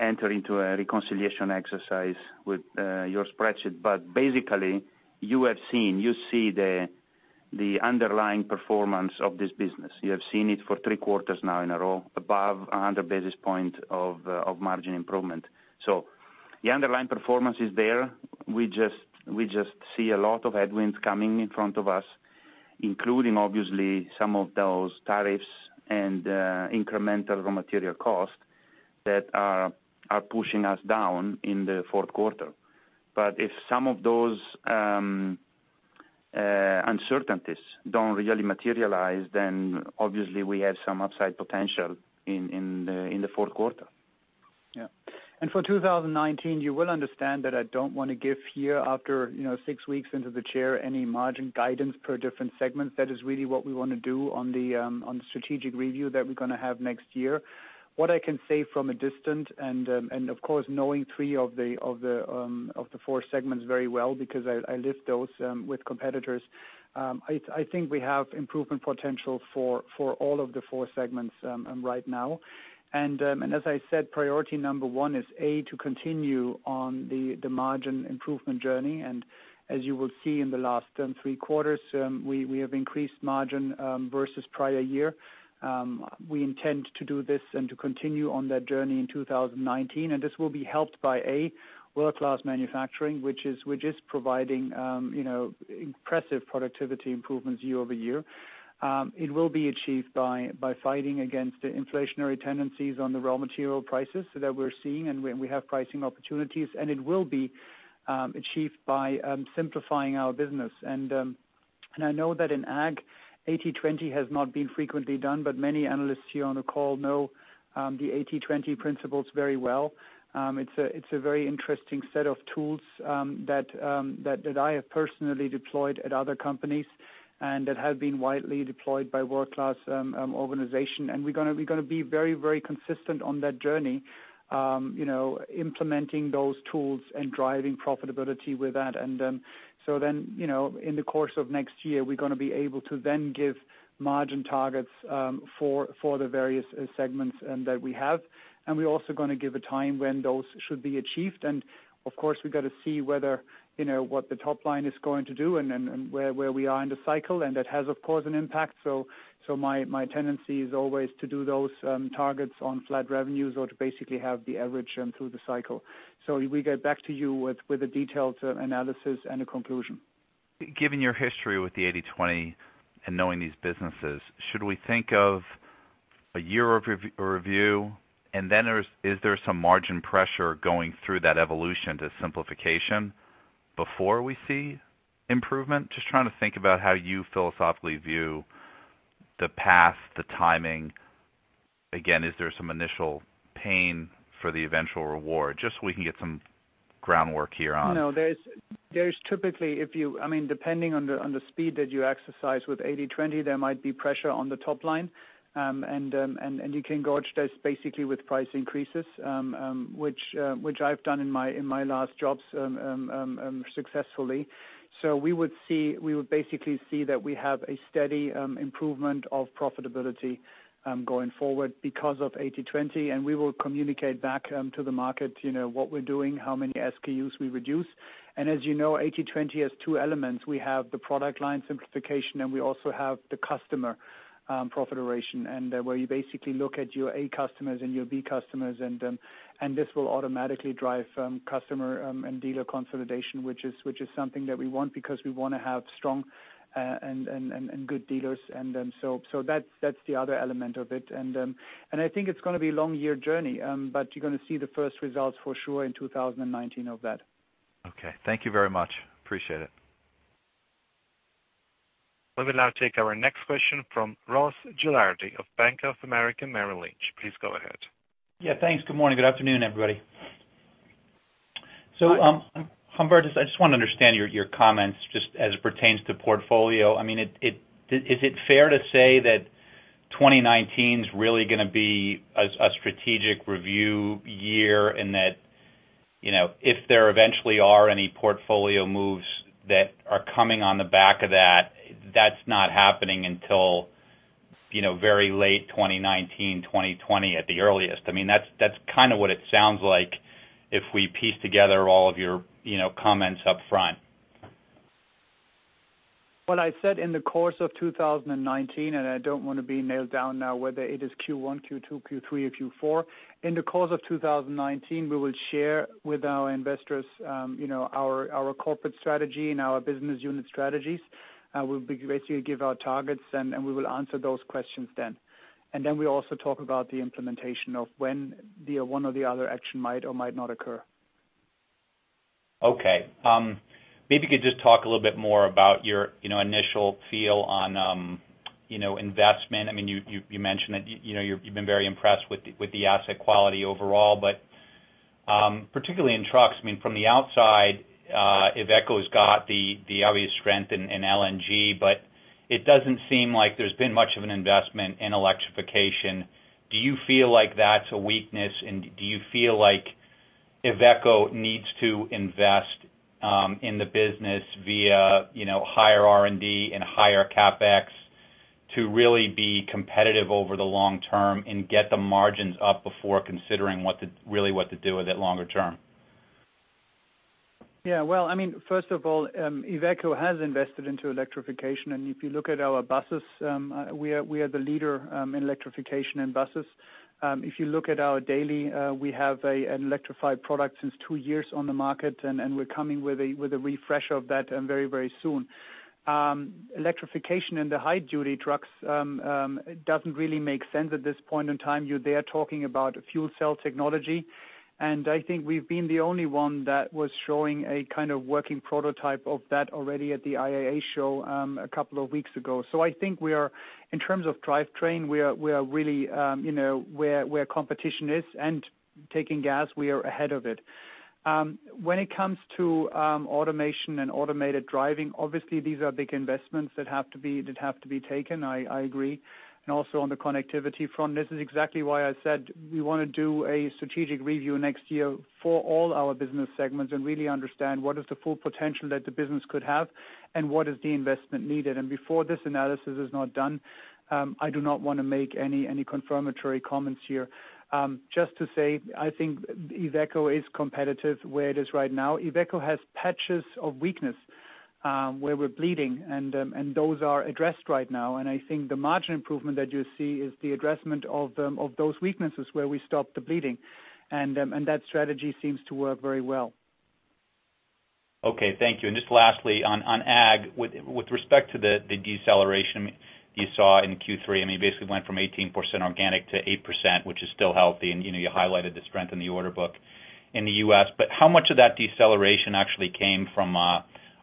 enter into a reconciliation exercise with your spreadsheet. Basically, you have seen, you see the underlying performance of this business. You have seen it for three quarters now in a row, above 100 basis points of margin improvement. The underlying performance is there. We just see a lot of headwinds coming in front of us, including obviously some of those tariffs and incremental raw material cost that are pushing us down in the fourth quarter. If some of those uncertainties don't really materialize, then obviously we have some upside potential in the fourth quarter. Yeah. For 2019, you will understand that I don't want to give here after six weeks into the chair any margin guidance per different segment. That is really what we want to do on the strategic review that we're going to have next year. What I can say from a distance, and of course, knowing three of the four segments very well, because I live those with competitors, I think we have improvement potential for all of the four segments right now. As I said, priority number one is, A, to continue on the margin improvement journey. As you will see in the last three quarters, we have increased margin versus prior year. We intend to do this and to continue on that journey in 2019, and this will be helped by A, world-class manufacturing, which is providing impressive productivity improvements year-over-year. It will be achieved by fighting against the inflationary tendencies on the raw material prices that we're seeing, and we have pricing opportunities, and it will be achieved by simplifying our business. I know that in Ag, 80/20 has not been frequently done, but many analysts here on the call know the 80/20 principles very well. It's a very interesting set of tools that I have personally deployed at other companies, and that have been widely deployed by world-class organization. We're going to be very consistent on that journey, implementing those tools and driving profitability with that. In the course of next year, we're going to be able to then give margin targets for the various segments that we have. We're also going to give a time when those should be achieved. Of course, we got to see what the top line is going to do and where we are in the cycle, and that has, of course, an impact. My tendency is always to do those targets on flat revenues or to basically have the average through the cycle. We get back to you with a detailed analysis and a conclusion. Given your history with the 80/20 and knowing these businesses, should we think of a year of review? Is there some margin pressure going through that evolution to simplification before we see improvement? Just trying to think about how you philosophically view the path, the timing. Again, is there some initial pain for the eventual reward? No, there is typically, depending on the speed that you exercise with 80/20, there might be pressure on the top line. You can gauge this basically with price increases, which I've done in my last jobs successfully. We would basically see that we have a steady improvement of profitability going forward because of 80/20, and we will communicate back to the market what we're doing, how many SKUs we reduce. As you know, 80/20 has two elements. We have the product line simplification, and we also have the customer profit iteration. Where you basically look at your A customers and your B customers, this will automatically drive customer and dealer consolidation, which is something that we want because we want to have strong and good dealers. That's the other element of it. I think it's going to be a long year journey, but you're going to see the first results for sure in 2019 of that. Okay. Thank you very much. Appreciate it. We will now take our next question from Ross Gilardi of Bank of America Merrill Lynch. Please go ahead. Yeah, thanks. Good morning. Good afternoon, everybody. Hubertus, I just want to understand your comments just as it pertains to portfolio. Is it fair to say that 2019 is really going to be a strategic review year and that if there eventually are any portfolio moves that are coming on the back of that's not happening until very late 2019, 2020 at the earliest? That's what it sounds like if we piece together all of your comments up front. What I said in the course of 2019, I don't want to be nailed down now whether it is Q1, Q2, Q3, or Q4. In the course of 2019, we will share with our investors our corporate strategy and our business unit strategies. We'll basically give our targets, and we will answer those questions then. Then we also talk about the implementation of when the one or the other action might or might not occur. Okay. Maybe you could just talk a little bit more about your initial feel on investment. You mentioned that you've been very impressed with the asset quality overall, but particularly in trucks. From the outside, Iveco's got the obvious strength in LNG, but it doesn't seem like there's been much of an investment in electrification. Do you feel like that's a weakness, and do you feel like Iveco needs to invest in the business via higher R&D and higher CapEx to really be competitive over the long term and get the margins up before considering really what to do with it longer term? Yeah. Well, first of all, Iveco has invested into electrification, and if you look at our buses, we are the leader in electrification in buses. If you look at our Daily, we have an electrified product since two years on the market, and we're coming with a refresh of that very soon. Electrification in the high-duty trucks doesn't really make sense at this point in time. They are talking about fuel cell technology, and I think we've been the only one that was showing a working prototype of that already at the IAA show a couple of weeks ago. I think in terms of drivetrain, we are really where competition is, and taking gas, we are ahead of it. When it comes to automation and automated driving, obviously, these are big investments that have to be taken. I agree. Also on the connectivity front, this is exactly why I said we want to do a strategic review next year for all our business segments and really understand what is the full potential that the business could have and what is the investment needed. Before this analysis is not done, I do not want to make any confirmatory comments here. Just to say, I think Iveco is competitive where it is right now. Iveco has patches of weakness where we're bleeding, and those are addressed right now. I think the margin improvement that you see is the addressment of those weaknesses where we stop the bleeding. That strategy seems to work very well. Okay. Thank you. Just lastly, on Ag, with respect to the deceleration you saw in Q3, you basically went from 18% organic to 8%, which is still healthy, and you highlighted the strength in the order book in the U.S., how much of that deceleration actually came from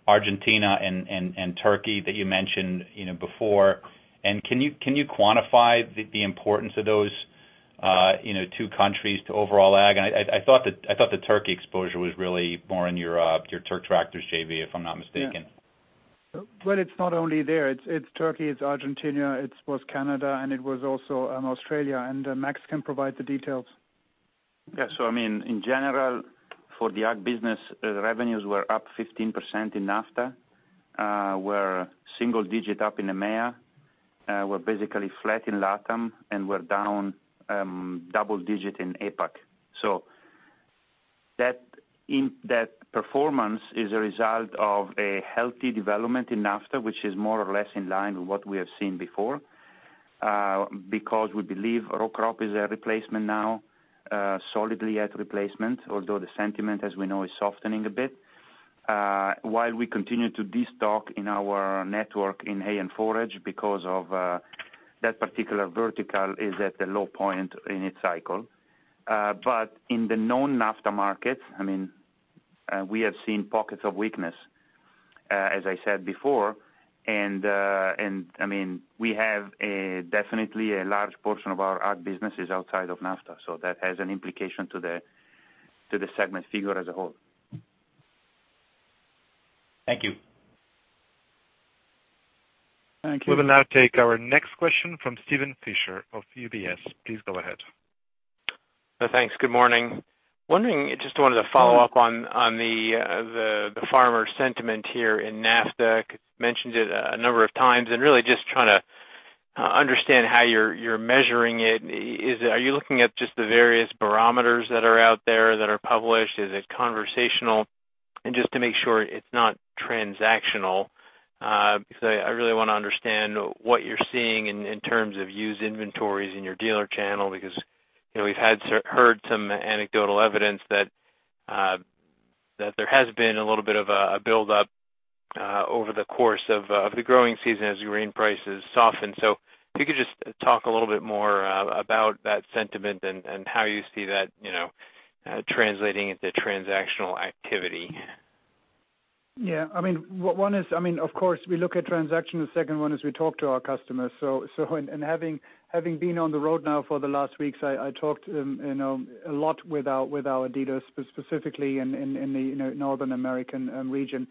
Argentina and Turkey that you mentioned before. Can you quantify the importance of those two countries to overall Ag? I thought the Turkey exposure was really more in your TürkTraktör JV, if I'm not mistaken. Well, it's not only there, it's Turkey, it's Argentina, it was Canada, and it was also Australia. Max can provide the details. Yeah. In general, for the ag business, revenues were up 15% in NAFTA. We're single digit up in EMEA. We're basically flat in LATAM, and we're down double digit in APAC. That performance is a result of a healthy development in NAFTA, which is more or less in line with what we have seen before, because we believe row crop is a replacement now, solidly at replacement, although the sentiment, as we know, is softening a bit. While we continue to destock in our network in hay and forage because that particular vertical is at the low point in its cycle. In the non-NAFTA markets, we have seen pockets of weakness, as I said before. We have definitely a large portion of our ag business is outside of NAFTA, so that has an implication to the segment figure as a whole. Thank you. Thank you. We will now take our next question from Steven Fisher of UBS. Please go ahead. Thanks. Good morning. Just wanted to follow up on the farmer sentiment here in NAFTA. Mentioned it a number of times, really just trying to understand how you're measuring it. Are you looking at just the various barometers that are out there that are published? Is it conversational? Just to make sure it's not transactional, because I really want to understand what you're seeing in terms of used inventories in your dealer channel, because we've heard some anecdotal evidence that there has been a little bit of a buildup over the course of the growing season as grain prices soften. If you could just talk a little bit more about that sentiment and how you see that translating into transactional activity. Yeah. One is, of course, we look at transactional. Second one is we talk to our customers. Having been on the road now for the last weeks, I talked a lot with our dealers, specifically in the Northern American region.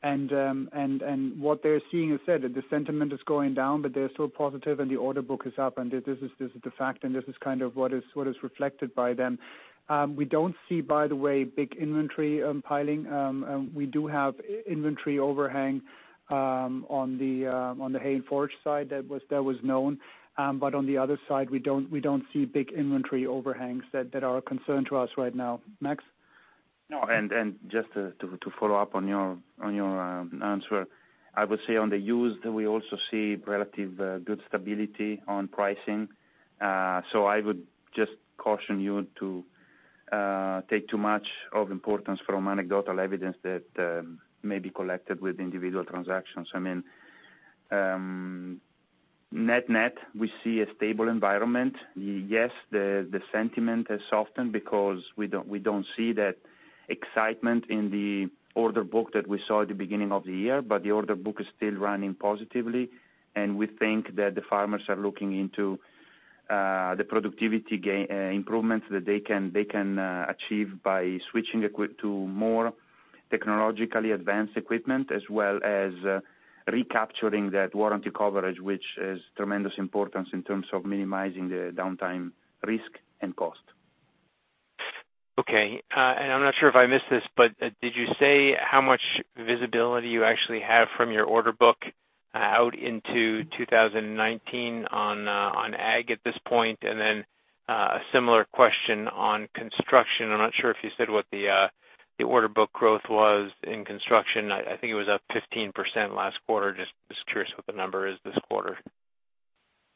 What they're seeing, as I said, the sentiment is going down, but they're still positive, and the order book is up. This is the fact, and this is kind of what is reflected by them. We don't see, by the way, big inventory piling. We do have inventory overhang on the hay and forage side, that was known. But on the other side, we don't see big inventory overhangs that are a concern to us right now. Max? No. Just to follow up on your answer. I would say on the used, we also see relative good stability on pricing. I would just caution you to take too much of importance from anecdotal evidence that may be collected with individual transactions. Net-net, we see a stable environment. Yes, the sentiment has softened because we don't see that excitement in the order book that we saw at the beginning of the year, but the order book is still running positively. We think that the farmers are looking into the productivity improvements that they can achieve by switching to more technologically advanced equipment, as well as recapturing that warranty coverage, which is tremendous importance in terms of minimizing the downtime risk and cost. Okay. I'm not sure if I missed this, but did you say how much visibility you actually have from your order book out into 2019 on ag at this point? A similar question on construction. I'm not sure if you said what the order book growth was in construction. I think it was up 15% last quarter. Just curious what the number is this quarter.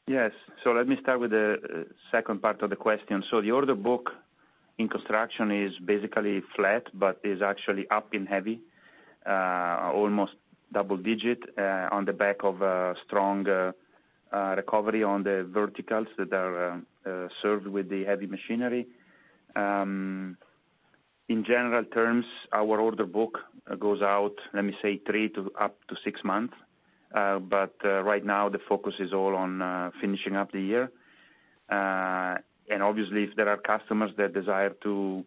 Yes. Let me start with the second part of the question. The order book in construction is basically flat but is actually up in heavy, almost double digit, on the back of a strong recovery on the verticals that are served with the heavy machinery. In general terms, our order book goes out, let me say three up to six months. Right now, the focus is all on finishing up the year. Obviously if there are customers that desire to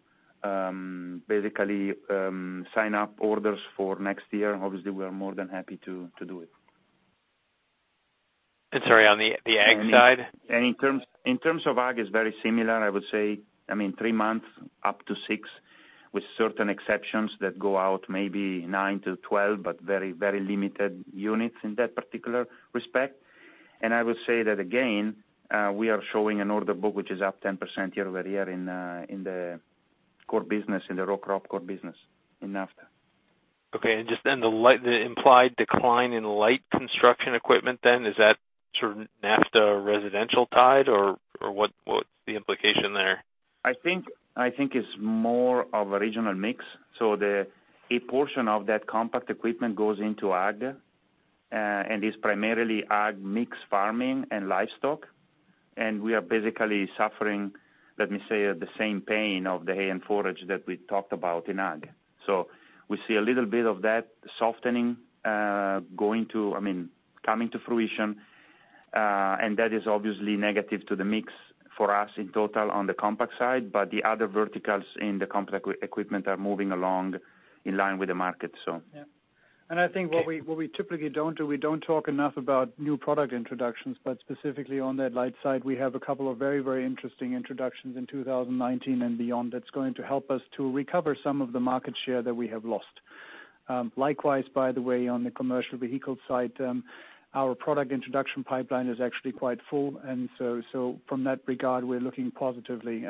basically sign up orders for next year, obviously we are more than happy to do it. Sorry, on the ag side? In terms of ag, it's very similar, I would say, three months up to six, with certain exceptions that go out maybe nine to 12, but very limited units in that particular respect. I would say that again, we are showing an order book which is up 10% year-over-year in the core business, in the row crop core business in NAFTA. Just then, the implied decline in light construction equipment then, is that sort of NAFTA residential tied, or what's the implication there? I think it's more of a regional mix. A portion of that compact equipment goes into ag, and is primarily ag mix farming and livestock. We are basically suffering, let me say, the same pain of the hay and forage that we talked about in ag. We see a little bit of that softening coming to fruition, and that is obviously negative to the mix for us in total on the compact side. The other verticals in the compact equipment are moving along in line with the market. Yeah. I think what we typically don't do, we don't talk enough about new product introductions. Specifically on that light side, we have a couple of very interesting introductions in 2019 and beyond that's going to help us to recover some of the market share that we have lost. Likewise, by the way, on the commercial vehicle side, our product introduction pipeline is actually quite full. From that regard, we're looking positively,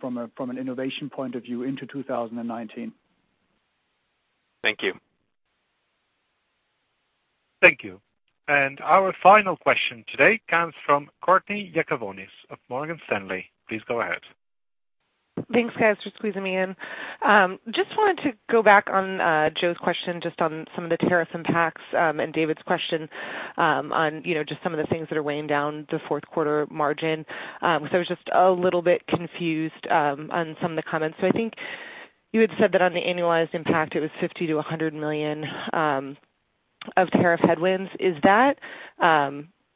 from an innovation point of view into 2019. Thank you. Thank you. Our final question today comes from Courtney Yakavonis of Morgan Stanley. Please go ahead. Thanks, guys, for squeezing me in. Just wanted to go back on Joe's question just on some of the tariff impacts, and David's question on just some of the things that are weighing down the fourth quarter margin. I was just a little bit confused on some of the comments. I think you had said that on the annualized impact, it was $50 million-$100 million of tariff headwinds. Is that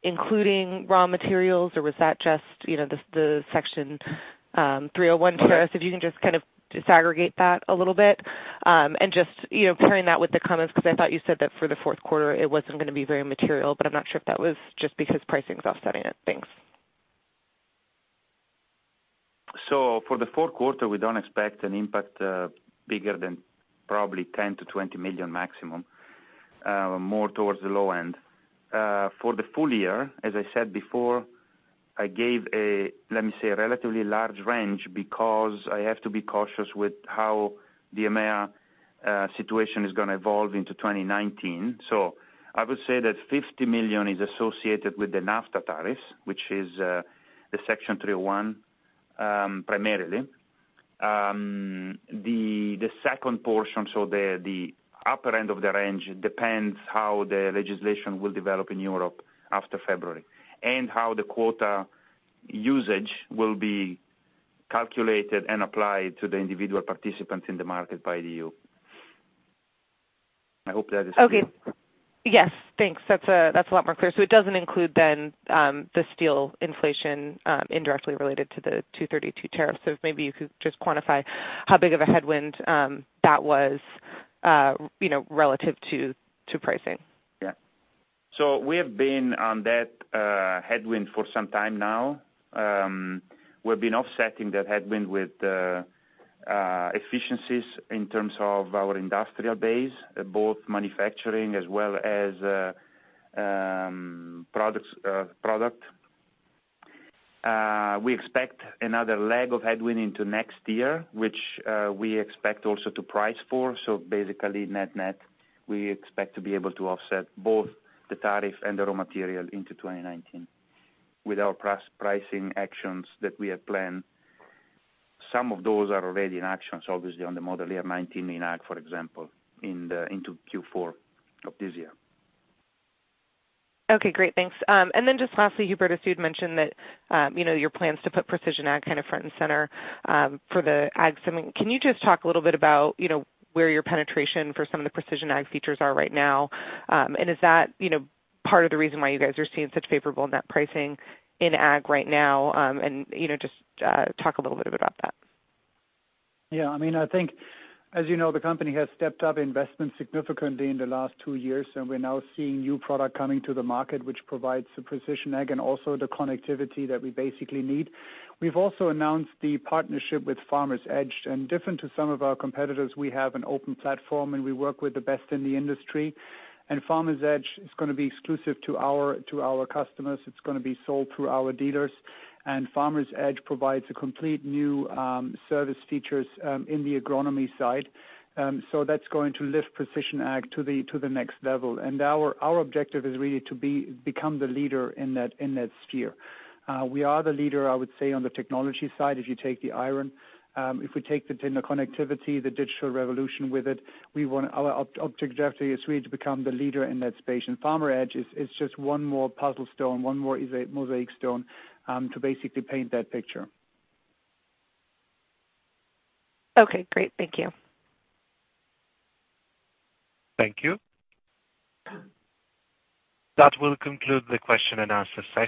including raw materials or was that just the Section 301 tariffs? If you can just kind of disaggregate that a little bit. Just pairing that with the comments, because I thought you said that for the fourth quarter, it wasn't going to be very material. I'm not sure if that was just because pricing is offsetting it. Thanks. For the fourth quarter, we don't expect an impact bigger than probably $10 million-$20 million maximum, more towards the low end. For the full year, as I said before, I gave a, let me say, a relatively large range because I have to be cautious with how the EMEA situation is going to evolve into 2019. I would say that $50 million is associated with the NAFTA tariffs, which is the Section 301, primarily. The second portion, the upper end of the range depends how the legislation will develop in Europe after February. How the quota usage will be calculated and applied to the individual participants in the market by the EU. I hope that is clear. Okay. Yes. Thanks. That's a lot more clear. It doesn't include then, the steel inflation, indirectly related to the 232 tariff. If maybe you could just quantify how big of a headwind that was relative to pricing. We have been on that headwind for some time now. We've been offsetting that headwind with efficiencies in terms of our industrial base, both manufacturing as well as product. We expect another leg of headwind into next year, which we expect also to price for. Basically net-net, we expect to be able to offset both the tariff and the raw material into 2019 with our pricing actions that we have planned. Some of those are already in action, obviously on the model year 2019 in ag, for example, into Q4 of this year. Okay, great. Thanks. Then just lastly, Hubertus, you'd mentioned that your plans to put precision ag front and center for the ag segment. Can you just talk a little bit about where your penetration for some of the precision ag features are right now? Is that part of the reason why you guys are seeing such favorable net pricing in ag right now? Just talk a little bit about that. Yeah. I think, as you know the company has stepped up investment significantly in the last two years, we're now seeing new product coming to the market, which provides the precision ag and also the connectivity that we basically need. We've also announced the partnership with Farmers Edge. Different to some of our competitors, we have an open platform, we work with the best in the industry. Farmers Edge is going to be exclusive to our customers. It's going to be sold through our dealers. Farmers Edge provides a complete new service features in the agronomy side. That's going to lift precision ag to the next level. Our objective is really to become the leader in that sphere. We are the leader, I would say, on the technology side, if you take the iron. If we take the connectivity, the digital revolution with it, our objective is really to become the leader in that space. Farmers Edge is just one more puzzle stone, one more mosaic stone, to basically paint that picture. Okay, great. Thank you. Thank you. That will conclude the question and answer session.